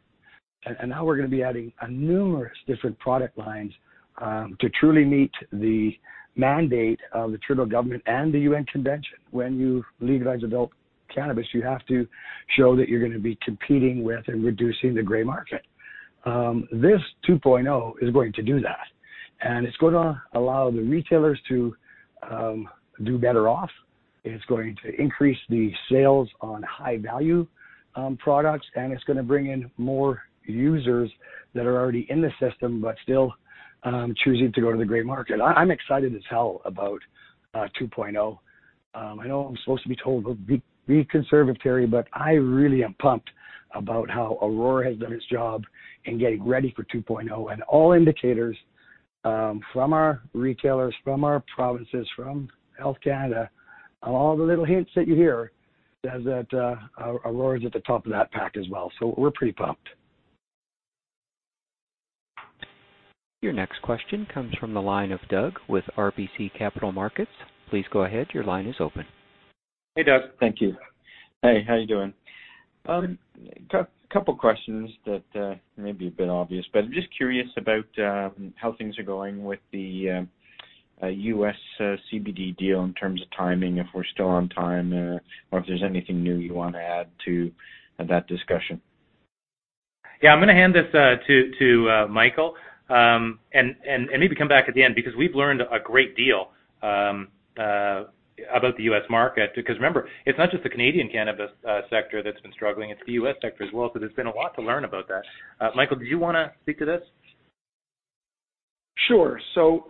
Now we're going to be adding numerous different product lines to truly meet the mandate of the Trudeau government and the UN Convention. When you legalize adult cannabis, you have to show that you're going to be competing with and reducing the gray market. This 2.0 is going to do that. It's going to allow the retailers to do better off. It's going to increase the sales on high-value products. It's going to bring in more users that are already in the system but still choosing to go to the gray market. I'm excited as hell about 2.0. I know I'm supposed to be told, "Be conservative, Terry," but I really am pumped about how Aurora has done its job in getting ready for 2.0. All indicators from our retailers, from our provinces, from Health Canada, all the little hints that you hear says that Aurora is at the top of that pack as well. We're pretty pumped. Your next question comes from the line of Doug with RBC Capital Markets. Please go ahead. Your line is open. Hey, Doug. Thank you. Hey, how are you doing? A couple of questions that may be a bit obvious, but I'm just curious about how things are going with the U.S. CBD deal in terms of timing, if we're still on time, or if there's anything new you want to add to that discussion. Yeah, I'm going to hand this to Michael and maybe come back at the end because we've learned a great deal about the U.S. market. Because remember, it's not just the Canadian cannabis sector that's been struggling. It's the U.S. sector as well. So there's been a lot to learn about that. Michael, did you want to speak to this? Sure. So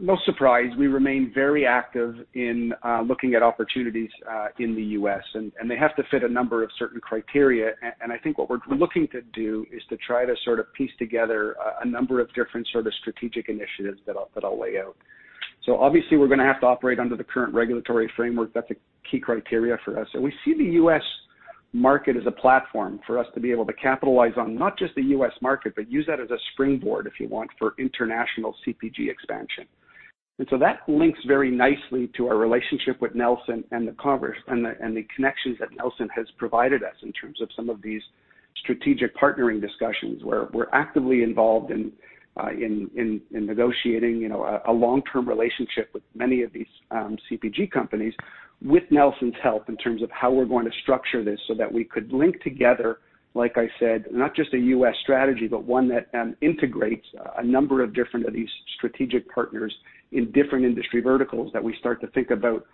no surprise, we remain very active in looking at opportunities in the U.S. And they have to fit a number of certain criteria. I think what we're looking to do is to try to sort of piece together a number of different sort of strategic initiatives that I'll lay out. Obviously, we're going to have to operate under the current regulatory framework. That's a key criteria for us. We see the US market as a platform for us to be able to capitalize on not just the US market, but use that as a springboard, if you want, for international CPG expansion. And so that links very nicely to our relationship with Nelson and the connections that Nelson has provided us in terms of some of these strategic partnering discussions where we're actively involved in negotiating a long-term relationship with many of these CPG companies with Nelson's help in terms of how we're going to structure this so that we could link together, like I said, not just a U.S. strategy, but one that integrates a number of different of these strategic partners in different industry verticals that we start to think about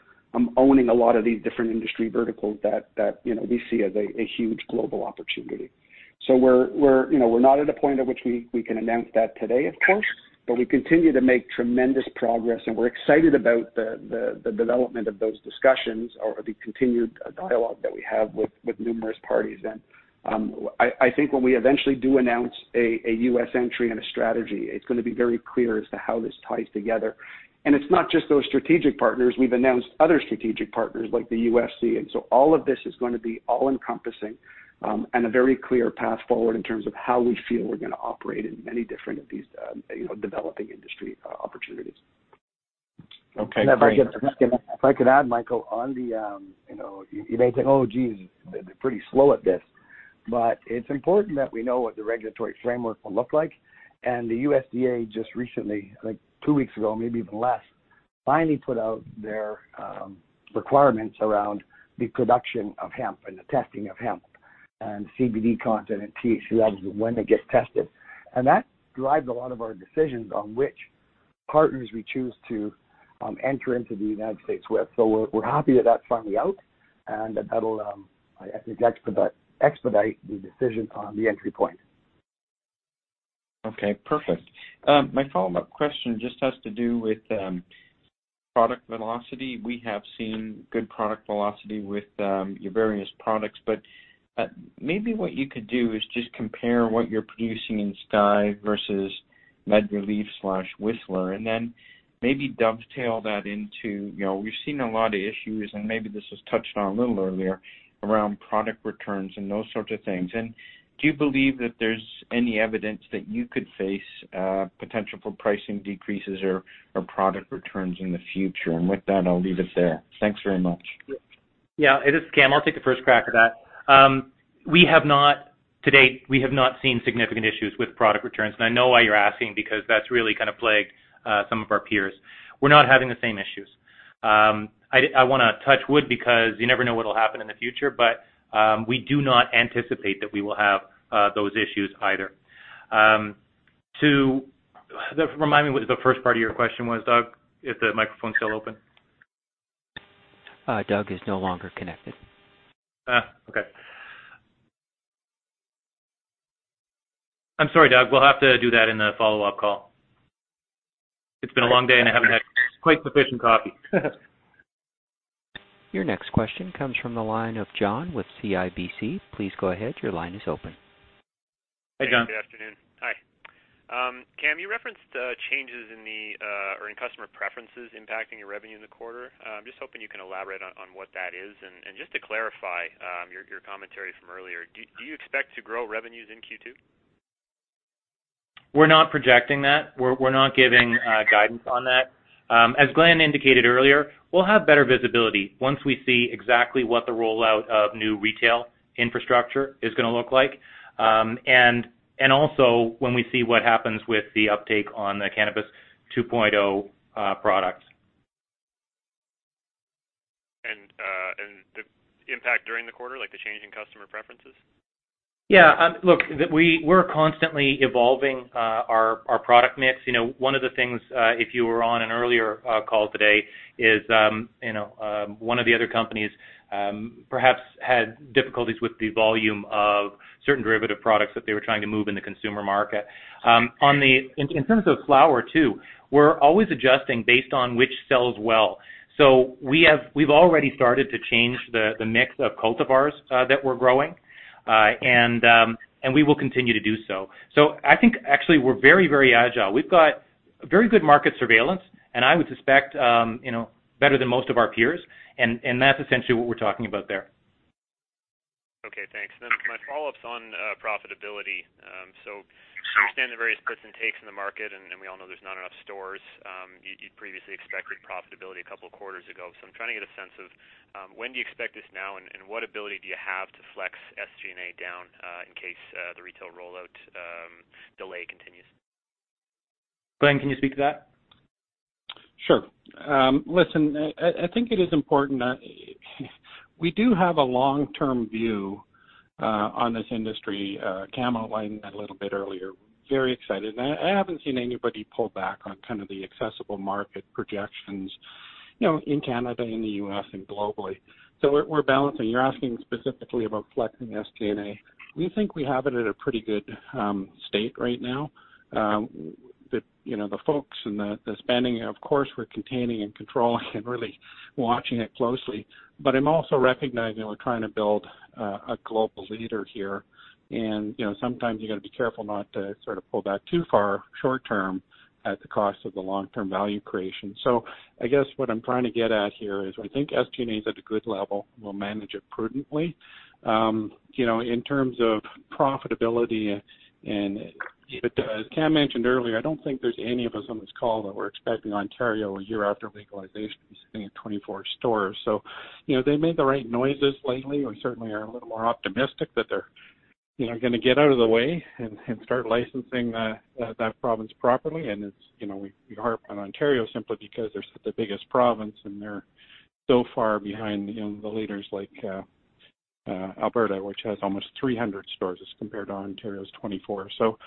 owning a lot of these different industry verticals that we see as a huge global opportunity. So we're not at a point at which we can announce that today, of course, but we continue to make tremendous progress. And we're excited about the development of those discussions or the continued dialogue that we have with numerous parties. I think when we eventually do announce a U.S. entry and a strategy, it's going to be very clear as to how this ties together. It's not just those strategic partners. We've announced other strategic partners like the UFC. So all of this is going to be all-encompassing and a very clear path forward in terms of how we feel we're going to operate in many different of these developing industry opportunities. Okay. If I could add, Michael, on that you may think, "Oh, geez, they're pretty slow at this." But it's important that we know what the regulatory framework will look like. The USDA just recently, I think two weeks ago, maybe even less, finally put out their requirements around the production of hemp and the testing of hemp and CBD content and THC levels and when they get tested. And that drives a lot of our decisions on which partners we choose to enter into the United States with. So we're happy that that's finally out and that that'll, I think, expedite the decision on the entry point. Okay. Perfect. My follow-up question just has to do with product velocity. We have seen good product velocity with your various products. But maybe what you could do is just compare what you're producing in Sky versus MedReleaf/Whistler and then maybe dovetail that into, we've seen a lot of issues, and maybe this was touched on a little earlier around product returns and those sorts of things. And do you believe that there's any evidence that you could face potential for pricing decreases or product returns in the future? And with that, I'll leave it there. Thanks very much. Yeah. It is, Cam. I'll take the first crack at that. We have not, to date, we have not seen significant issues with product returns. And I know why you're asking because that's really kind of plagued some of our peers. We're not having the same issues. I want to touch wood because you never know what will happen in the future, but we do not anticipate that we will have those issues either. To remind me what the first part of your question was, Doug, if the microphone's still open. Doug is no longer connected. Okay. I'm sorry, Doug. We'll have to do that in the follow-up call. It's been a long day, and I haven't had quite sufficient coffee. Your next question comes from the line of John with CIBC. Please go ahead. Your line is open. Hey, John. Good afternoon. Hi. Cam, you referenced changes in the or in customer preferences impacting your revenue in the quarter. I'm just hoping you can elaborate on what that is. And just to clarify your commentary from earlier, do you expect to grow revenues in Q2? We're not projecting that. We're not giving guidance on that. As Glen indicated earlier, we'll have better visibility once we see exactly what the rollout of new retail infrastructure is going to look like. And also when we see what happens with the uptake on the cannabis 2.0 products. And the impact during the quarter, like the change in customer preferences? Yeah. Look, we're constantly evolving our product mix. One of the things, if you were on an earlier call today, is one of the other companies perhaps had difficulties with the volume of certain derivative products that they were trying to move in the consumer market. In terms of flower too, we're always adjusting based on which sells well. We've already started to change the mix of cultivars that we're growing, and we will continue to do so. I think, actually, we're very, very agile. We've got very good market surveillance, and I would suspect better than most of our peers. And that's essentially what we're talking about there. Okay. Thanks. My follow-ups on profitability. I understand the various splits and takes in the market, and we all know there's not enough stores. You previously expected profitability a couple of quarters ago. I'm trying to get a sense of when do you expect this now, and what ability do you have to flex SG&A down in case the retail rollout delay continues? Glen, can you speak to that? Sure. Listen, I think it is important that we do have a long-term view on this industry. Cam outlined that a little bit earlier. Very excited. And I haven't seen anybody pull back on kind of the accessible market projections in Canada, in the US, and globally. So we're balancing. You're asking specifically about flexing SG&A. We think we have it at a pretty good state right now. The folks and the spending, of course, we're containing and controlling and really watching it closely. But I'm also recognizing we're trying to build a global leader here. And sometimes you got to be careful not to sort of pull back too far short-term at the cost of the long-term value creation. So I guess what I'm trying to get at here is I think SG&A is at a good level. We'll manage it prudently. In terms of profitability, and Cam mentioned earlier, I don't think there's any of us on this call that we're expecting Ontario a year after legalization to be sitting at 24 stores. So they made the right noises lately. We certainly are a little more optimistic that they're going to get out of the way and start licensing that province properly, and we harp on Ontario simply because they're the biggest province, and they're so far behind the leaders like Alberta, which has almost 300 stores as compared to Ontario's 24, so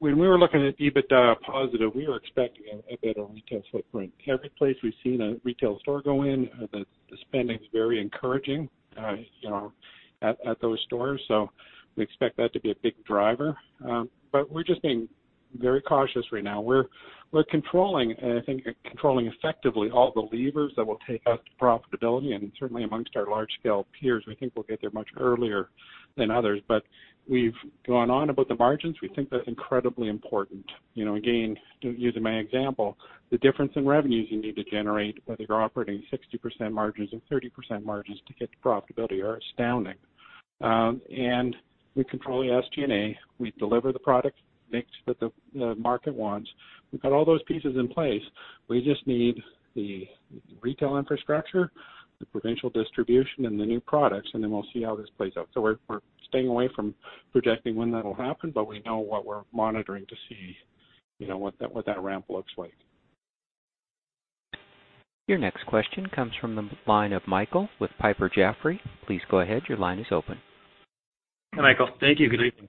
when we were looking at EBITDA positive, we were expecting a better retail footprint. Every place we've seen a retail store go in, the spending is very encouraging at those stores, so we expect that to be a big driver. But we're just being very cautious right now, we're controlling, and I think controlling effectively all the levers that will take us to profitability, and certainly, amongst our large-scale peers, we think we'll get there much earlier than others, but we've gone on about the margins. We think they're incredibly important. Again, using my example, the difference in revenues you need to generate, whether you're operating 60% margins or 30% margins to get to profitability, are astounding, and we control the SG&A. We deliver the product, make the market wants. We've got all those pieces in place. We just need the retail infrastructure, the provincial distribution, and the new products, and then we'll see how this plays out, so we're staying away from projecting when that will happen, but we know what we're monitoring to see what that ramp looks like. Your next question comes from the line of Michael with Piper Jaffray. Please go ahead. Your line is open. Hey, Michael. Thank you. Good evening.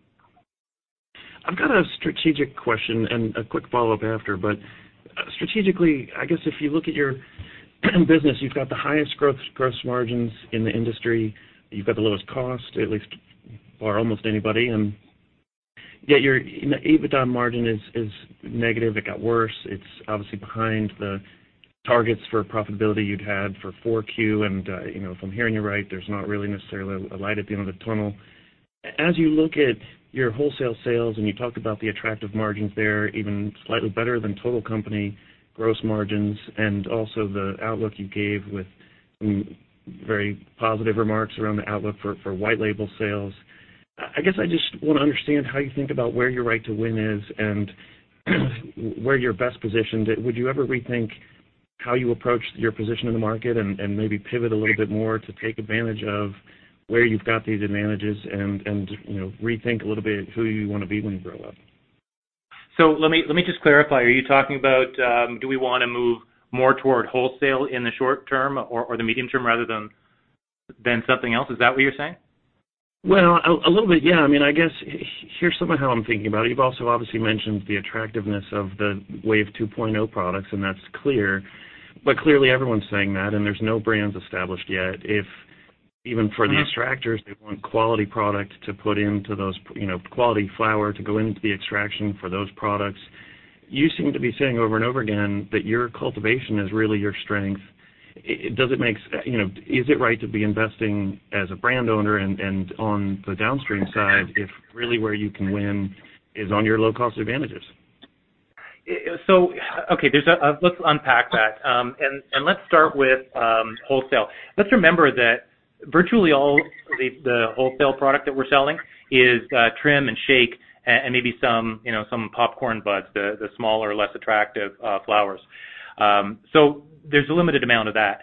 I've got a strategic question and a quick follow-up after, but strategically, I guess if you look at your business, you've got the highest gross margins in the industry. You've got the lowest cost, at least for almost anybody. And yet your EBITDA margin is negative. It got worse. It's obviously behind the targets for profitability you'd had for 4Q. And if I'm hearing you right, there's not really necessarily a light at the end of the tunnel. As you look at your wholesale sales, and you talked about the attractive margins there, even slightly better than total company gross margins, and also the outlook you gave with very positive remarks around the outlook for white label sales, I guess I just want to understand how you think about where your right to win is and where you're best positioned. Would you ever rethink how you approach your position in the market and maybe pivot a little bit more to take advantage of where you've got these advantages and rethink a little bit who you want to be when you grow up? So let me just clarify. Are you talking about do we want to move more toward wholesale in the short term or the medium term rather than something else? Is that what you're saying? Well, a little bit, yeah. I mean, I guess here's something how I'm thinking about it. You've also obviously mentioned the attractiveness of the Cannabis 2.0 products, and that's clear. But clearly, everyone's saying that, and there's no brands established yet. If even for the extractors, they want quality product to put into those quality flower to go into the extraction for those products, you seem to be saying over and over again that your cultivation is really your strength. Does it make sense? Is it right to be investing as a brand owner and on the downstream side if really where you can win is on your low-cost advantages? So, okay, let's unpack that. And let's start with wholesale. Let's remember that virtually all the wholesale product that we're selling is trim and shake and maybe some popcorn buds, the smaller, less attractive flowers. So there's a limited amount of that.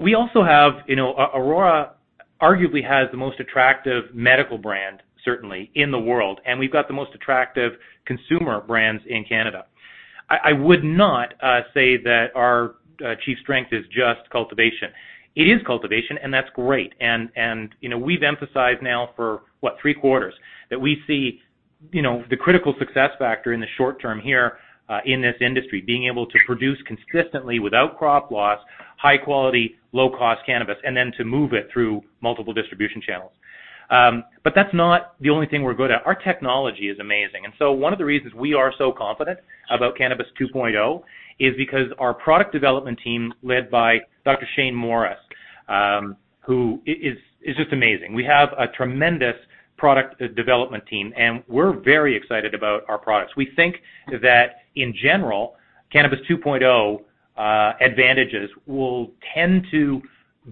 We also have. Aurora arguably has the most attractive medical brand, certainly, in the world. And we've got the most attractive consumer brands in Canada. I would not say that our chief strength is just cultivation. It is cultivation, and that's great, and we've emphasized now for, what, three quarters that we see the critical success factor in the short term here in this industry, being able to produce consistently without crop loss, high-quality, low-cost cannabis, and then to move it through multiple distribution channels. But that's not the only thing we're good at. Our technology is amazing, and so one of the reasons we are so confident about Cannabis 2.0 is because our product development team led by Dr. Shane Morris, who is just amazing. We have a tremendous product development team, and we're very excited about our products. We think that, in general, Cannabis 2.0 advantages will tend to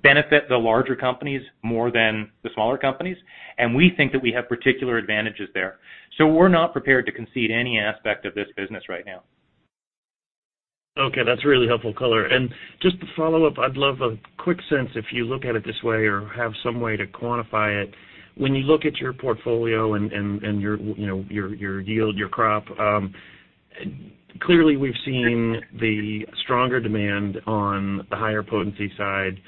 benefit the larger companies more than the smaller companies, and we think that we have particular advantages there, so we're not prepared to concede any aspect of this business right now. Okay. That's really helpful color, and just to follow up, I'd love a quick sense if you look at it this way or have some way to quantify it. When you look at your portfolio and your yield, your crop, clearly, we've seen the stronger demand on the higher potency side.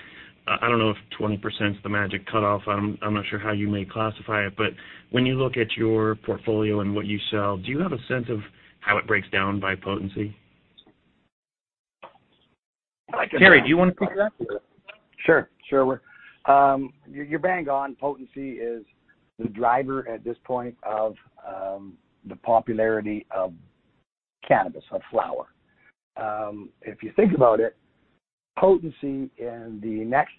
I don't know if 20% is the magic cutoff. I'm not sure how you may classify it. But when you look at your portfolio and what you sell, do you have a sense of how it breaks down by potency? Terry, do you want to take that? Sure. Sure. You're bang on. Potency is the driver at this point of the popularity of cannabis, of flower. If you think about it, potency in the next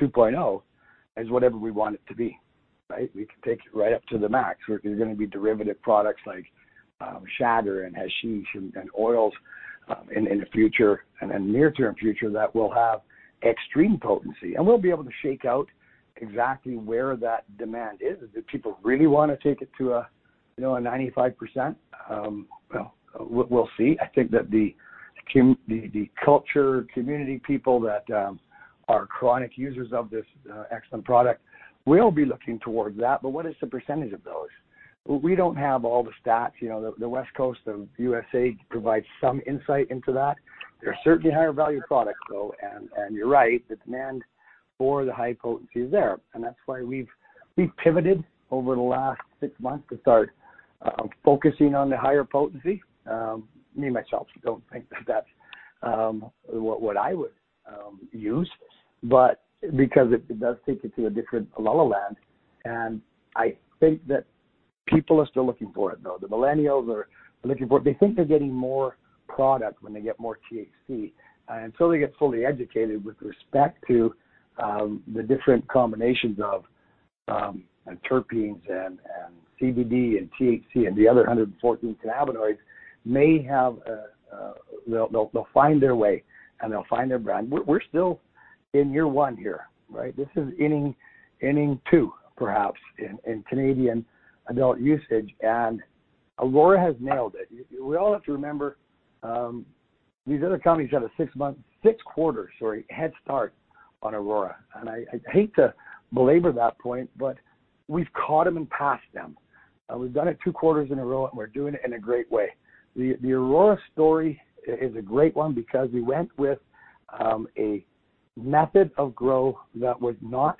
2.0 is whatever we want it to be, right? We can take it right up to the max. There's going to be derivative products like shatter and hashish and oils in the future and near-term future that will have extreme potency. And we'll be able to shake out exactly where that demand is. Do people really want to take it to a 95%? Well, we'll see. I think that the culture, community people that are chronic users of this excellent product will be looking towards that. But what is the percentage of those? We don't have all the stats. The West Coast of the USA provides some insight into that. There are certainly higher-value products, though. And you're right. The demand for the high potency is there. And that's why we've pivoted over the last six months to start focusing on the higher potency. Me and myself don't think that that's what I would use, but because it does take it to a different level. I think that people are still looking for it, though. The millennials are looking for it. They think they're getting more product when they get more THC. And until they get fully educated with respect to the different combinations of terpenes and CBD and THC and the other 114 cannabinoids, they'll find their way, and they'll find their brand. We're still in year one here, right? This is inning two, perhaps, in Canadian adult usage. And Aurora has nailed it. We all have to remember these other companies had a six quarters, sorry, head start on Aurora. And I hate to belabor that point, but we've caught them and passed them. We've done it two quarters in a row, and we're doing it in a great way. The Aurora story is a great one because we went with a method of grow that was not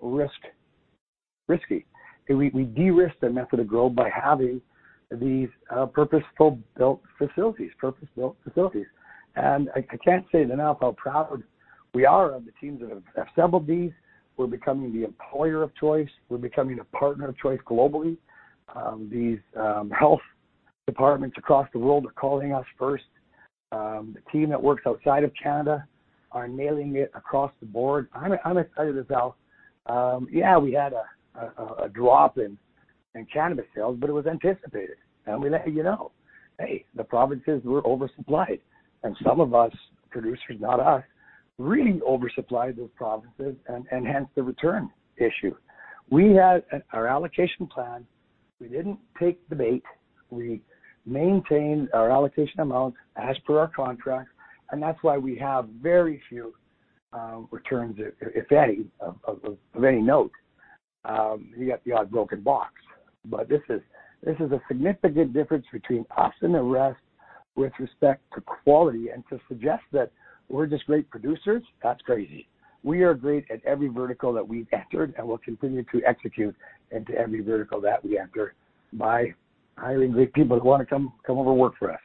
risky. We de-risked the method of grow by having these purpose-built facilities, purpose-built facilities. And I can't say it enough how proud we are of the teams that have assembled these. We're becoming the employer of choice. We're becoming a partner of choice globally. These health departments across the world are calling us first. The team that works outside of Canada are nailing it across the board. I'm excited as hell. Yeah, we had a drop in cannabis sales, but it was anticipated. And we let you know, "Hey, the provinces were oversupplied." And some of us, producers, not us, really oversupplied those provinces and hence the return issue. We had our allocation plan. We didn't take the bait. We maintained our allocation amounts as per our contract. And that's why we have very few returns, if any, of any note. You got the odd broken box. But this is a significant difference between us and the rest with respect to quality. And to suggest that we're just great producers, that's crazy. We are great at every vertical that we've entered and will continue to execute into every vertical that we enter by hiring great people that want to come over and work for us.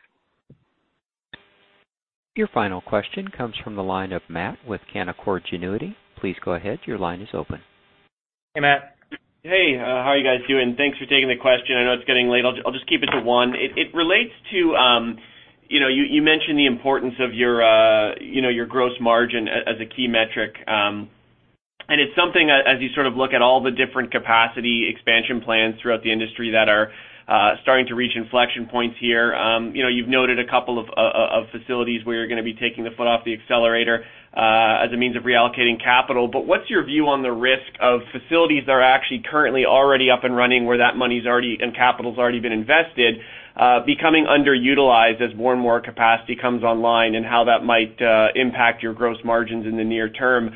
Your final question comes from the line of Matt with Canaccord Genuity. Please go ahead. Your line is open. Hey, Matt. Hey. How are you guys doing? Thanks for taking the question. I know it's getting late. I'll just keep it to one. It relates to you mentioned the importance of your Gross Margin as a key metric. And it's something, as you sort of look at all the different capacity expansion plans throughout the industry that are starting to reach inflection points here. You've noted a couple of facilities where you're going to be taking the foot off the accelerator as a means of reallocating capital. But what's your view on the risk of facilities that are actually currently already up and running where that money's already and capital's already been invested becoming underutilized as more and more capacity comes online and how that might impact your gross margins in the near term,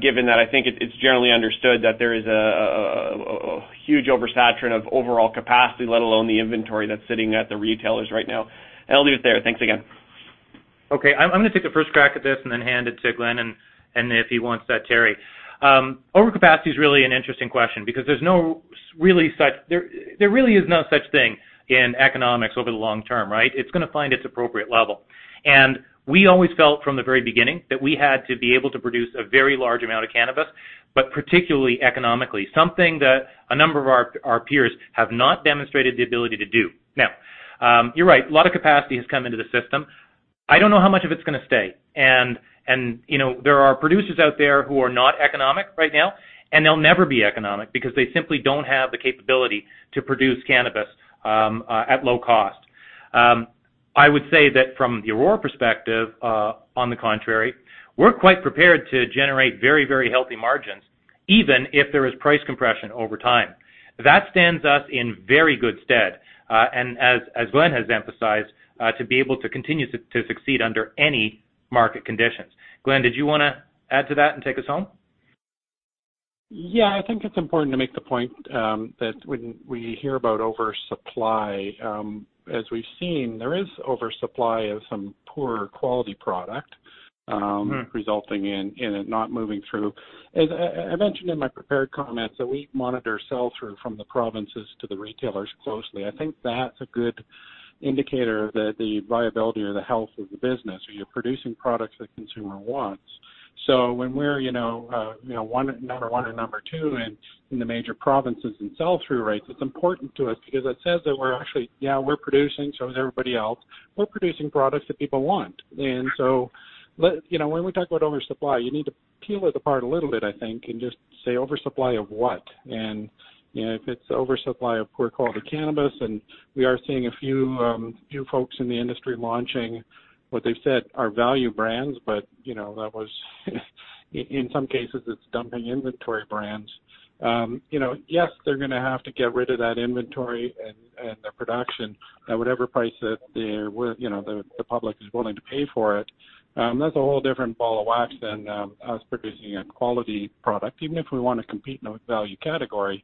given that I think it's generally understood that there is a huge oversaturation of overall capacity, let alone the inventory that's sitting at the retailers right now. And I'll leave it there. Thanks again. Okay. I'm going to take the first crack at this and then hand it to Glen, and if he wants that, Terry. Overcapacity is really an interesting question because there really is no such thing in economics over the long term, right? It's going to find its appropriate level, and we always felt from the very beginning that we had to be able to produce a very large amount of cannabis, but particularly economically, something that a number of our peers have not demonstrated the ability to do. Now, you're right. A lot of capacity has come into the system. I don't know how much of it's going to stay, and there are producers out there who are not economic right now, and they'll never be economic because they simply don't have the capability to produce cannabis at low cost. I would say that from the Aurora perspective, on the contrary, we're quite prepared to generate very, very healthy margins, even if there is price compression over time. That stands us in very good stead, and as Glen has emphasized, to be able to continue to succeed under any market conditions. Glen, did you want to add to that and take us home? Yeah. I think it's important to make the point that when we hear about oversupply, as we've seen, there is oversupply of some poor quality product resulting in it not moving through. As I mentioned in my prepared comments, we monitor sales from the provinces to the retailers closely. I think that's a good indicator of the viability or the health of the business. You're producing products that the consumer wants. So when we're number one or number two in the major provinces and sell-through rates, it's important to us because it says that we're actually, yeah, we're producing, so is everybody else. We're producing products that people want. And so when we talk about oversupply, you need to peel it apart a little bit, I think, and just say, "Oversupply of what?" And if it's oversupply of poor quality cannabis, and we are seeing a few folks in the industry launching what they've said are value brands, but that was, in some cases, it's dumping inventory brands. Yes, they're going to have to get rid of that inventory and the production at whatever price that the public is willing to pay for it. That's a whole different ball of wax than us producing a quality product, even if we want to compete in a value category,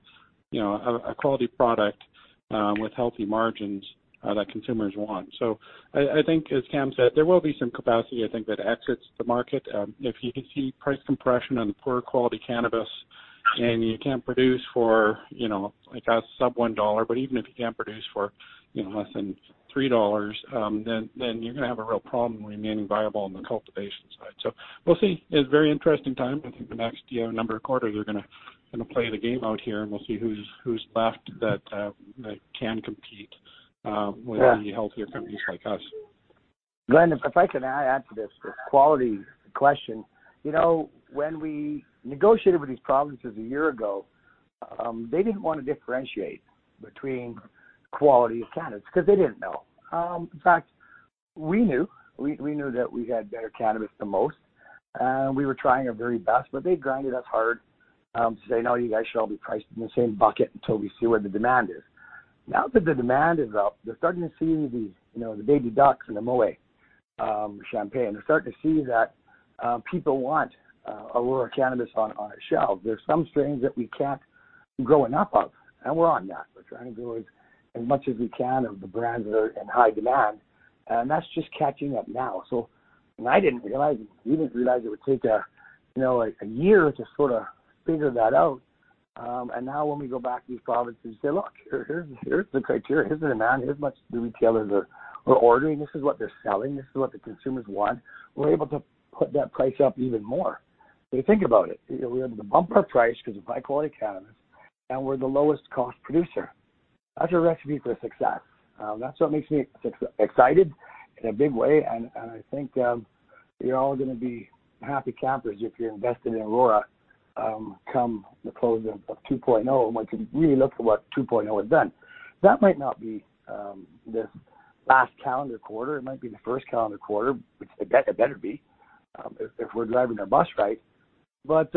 a quality product with healthy margins that consumers want. So I think, as Cam said, there will be some capacity, I think, that exits the market. If you see price compression on poor quality cannabis and you can't produce for a sub-one dollar, but even if you can't produce for less than 3 dollars, then you're going to have a real problem remaining viable on the cultivation side. So we'll see. It's a very interesting time. I think the next number of quarters are going to play the game out here, and we'll see who's left that can compete with the healthier companies like us. Glen, if I can add to this quality question. When we negotiated with these provinces a year ago, they didn't want to differentiate between quality of cannabis because they didn't know. In fact, we knew. We knew that we had better cannabis than most. And we were trying our very best, but they ground us hard to say, "No, you guys should all be priced in the same bucket until we see where the demand is." Now that the demand is up, they're starting to see the Baby Ducks in the Moët champagne. They're starting to see that people want Aurora Cannabis on a shelf. There's some strains that we can't grow enough of, and we're on that. We're trying to grow as much as we can of the brands that are in high demand. And that's just catching up now. So I didn't realize it would take a year to sort of figure that out. And now when we go back to these provinces and say, "Look, here's the criteria. Here's the demand. Here's how much the retailers are ordering. This is what they're selling. This is what the consumers want." We're able to put that price up even more. So think about it. We're able to bump our price because of high-quality cannabis, and we're the lowest-cost producer. That's a recipe for success. That's what makes me excited in a big way. And I think you're all going to be happy campers if you're invested in Aurora come the close of 2.0, and we can really look at what 2.0 has done. That might not be this last calendar quarter. It might be the first calendar quarter, which it better be if we're driving our bus right. But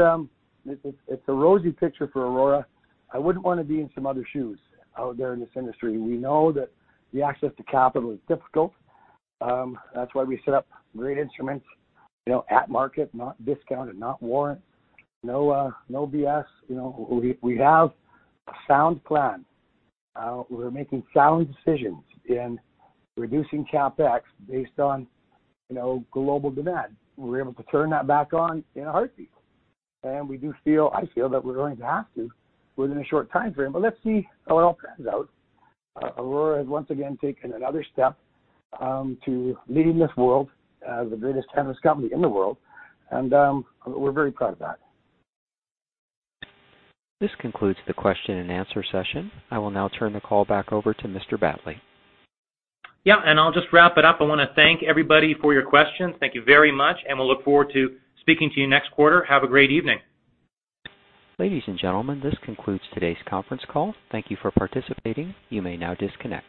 it's a rosy picture for Aurora. I wouldn't want to be in some other shoes out there in this industry. We know that the access to capital is difficult. That's why we set up great instruments at market, not discounted, not warrants, no BS. We have a sound plan. We're making sound decisions in reducing CapEx based on global demand. We're able to turn that back on in a heartbeat. And we do feel, I feel that we're going to have to within a short time frame. But let's see how it all pans out. Aurora has once again taken another step to lead this world as the greatest cannabis company in the world. And we're very proud of that. This concludes the question and answer session. I will now turn the call back over to Mr. Battley. Yeah. And I'll just wrap it up. I want to thank everybody for your questions. Thank you very much. And we'll look forward to speaking to you next quarter. Have a great evening. Ladies and gentlemen, this concludes today's conference call. Thank you for participating. You may now disconnect.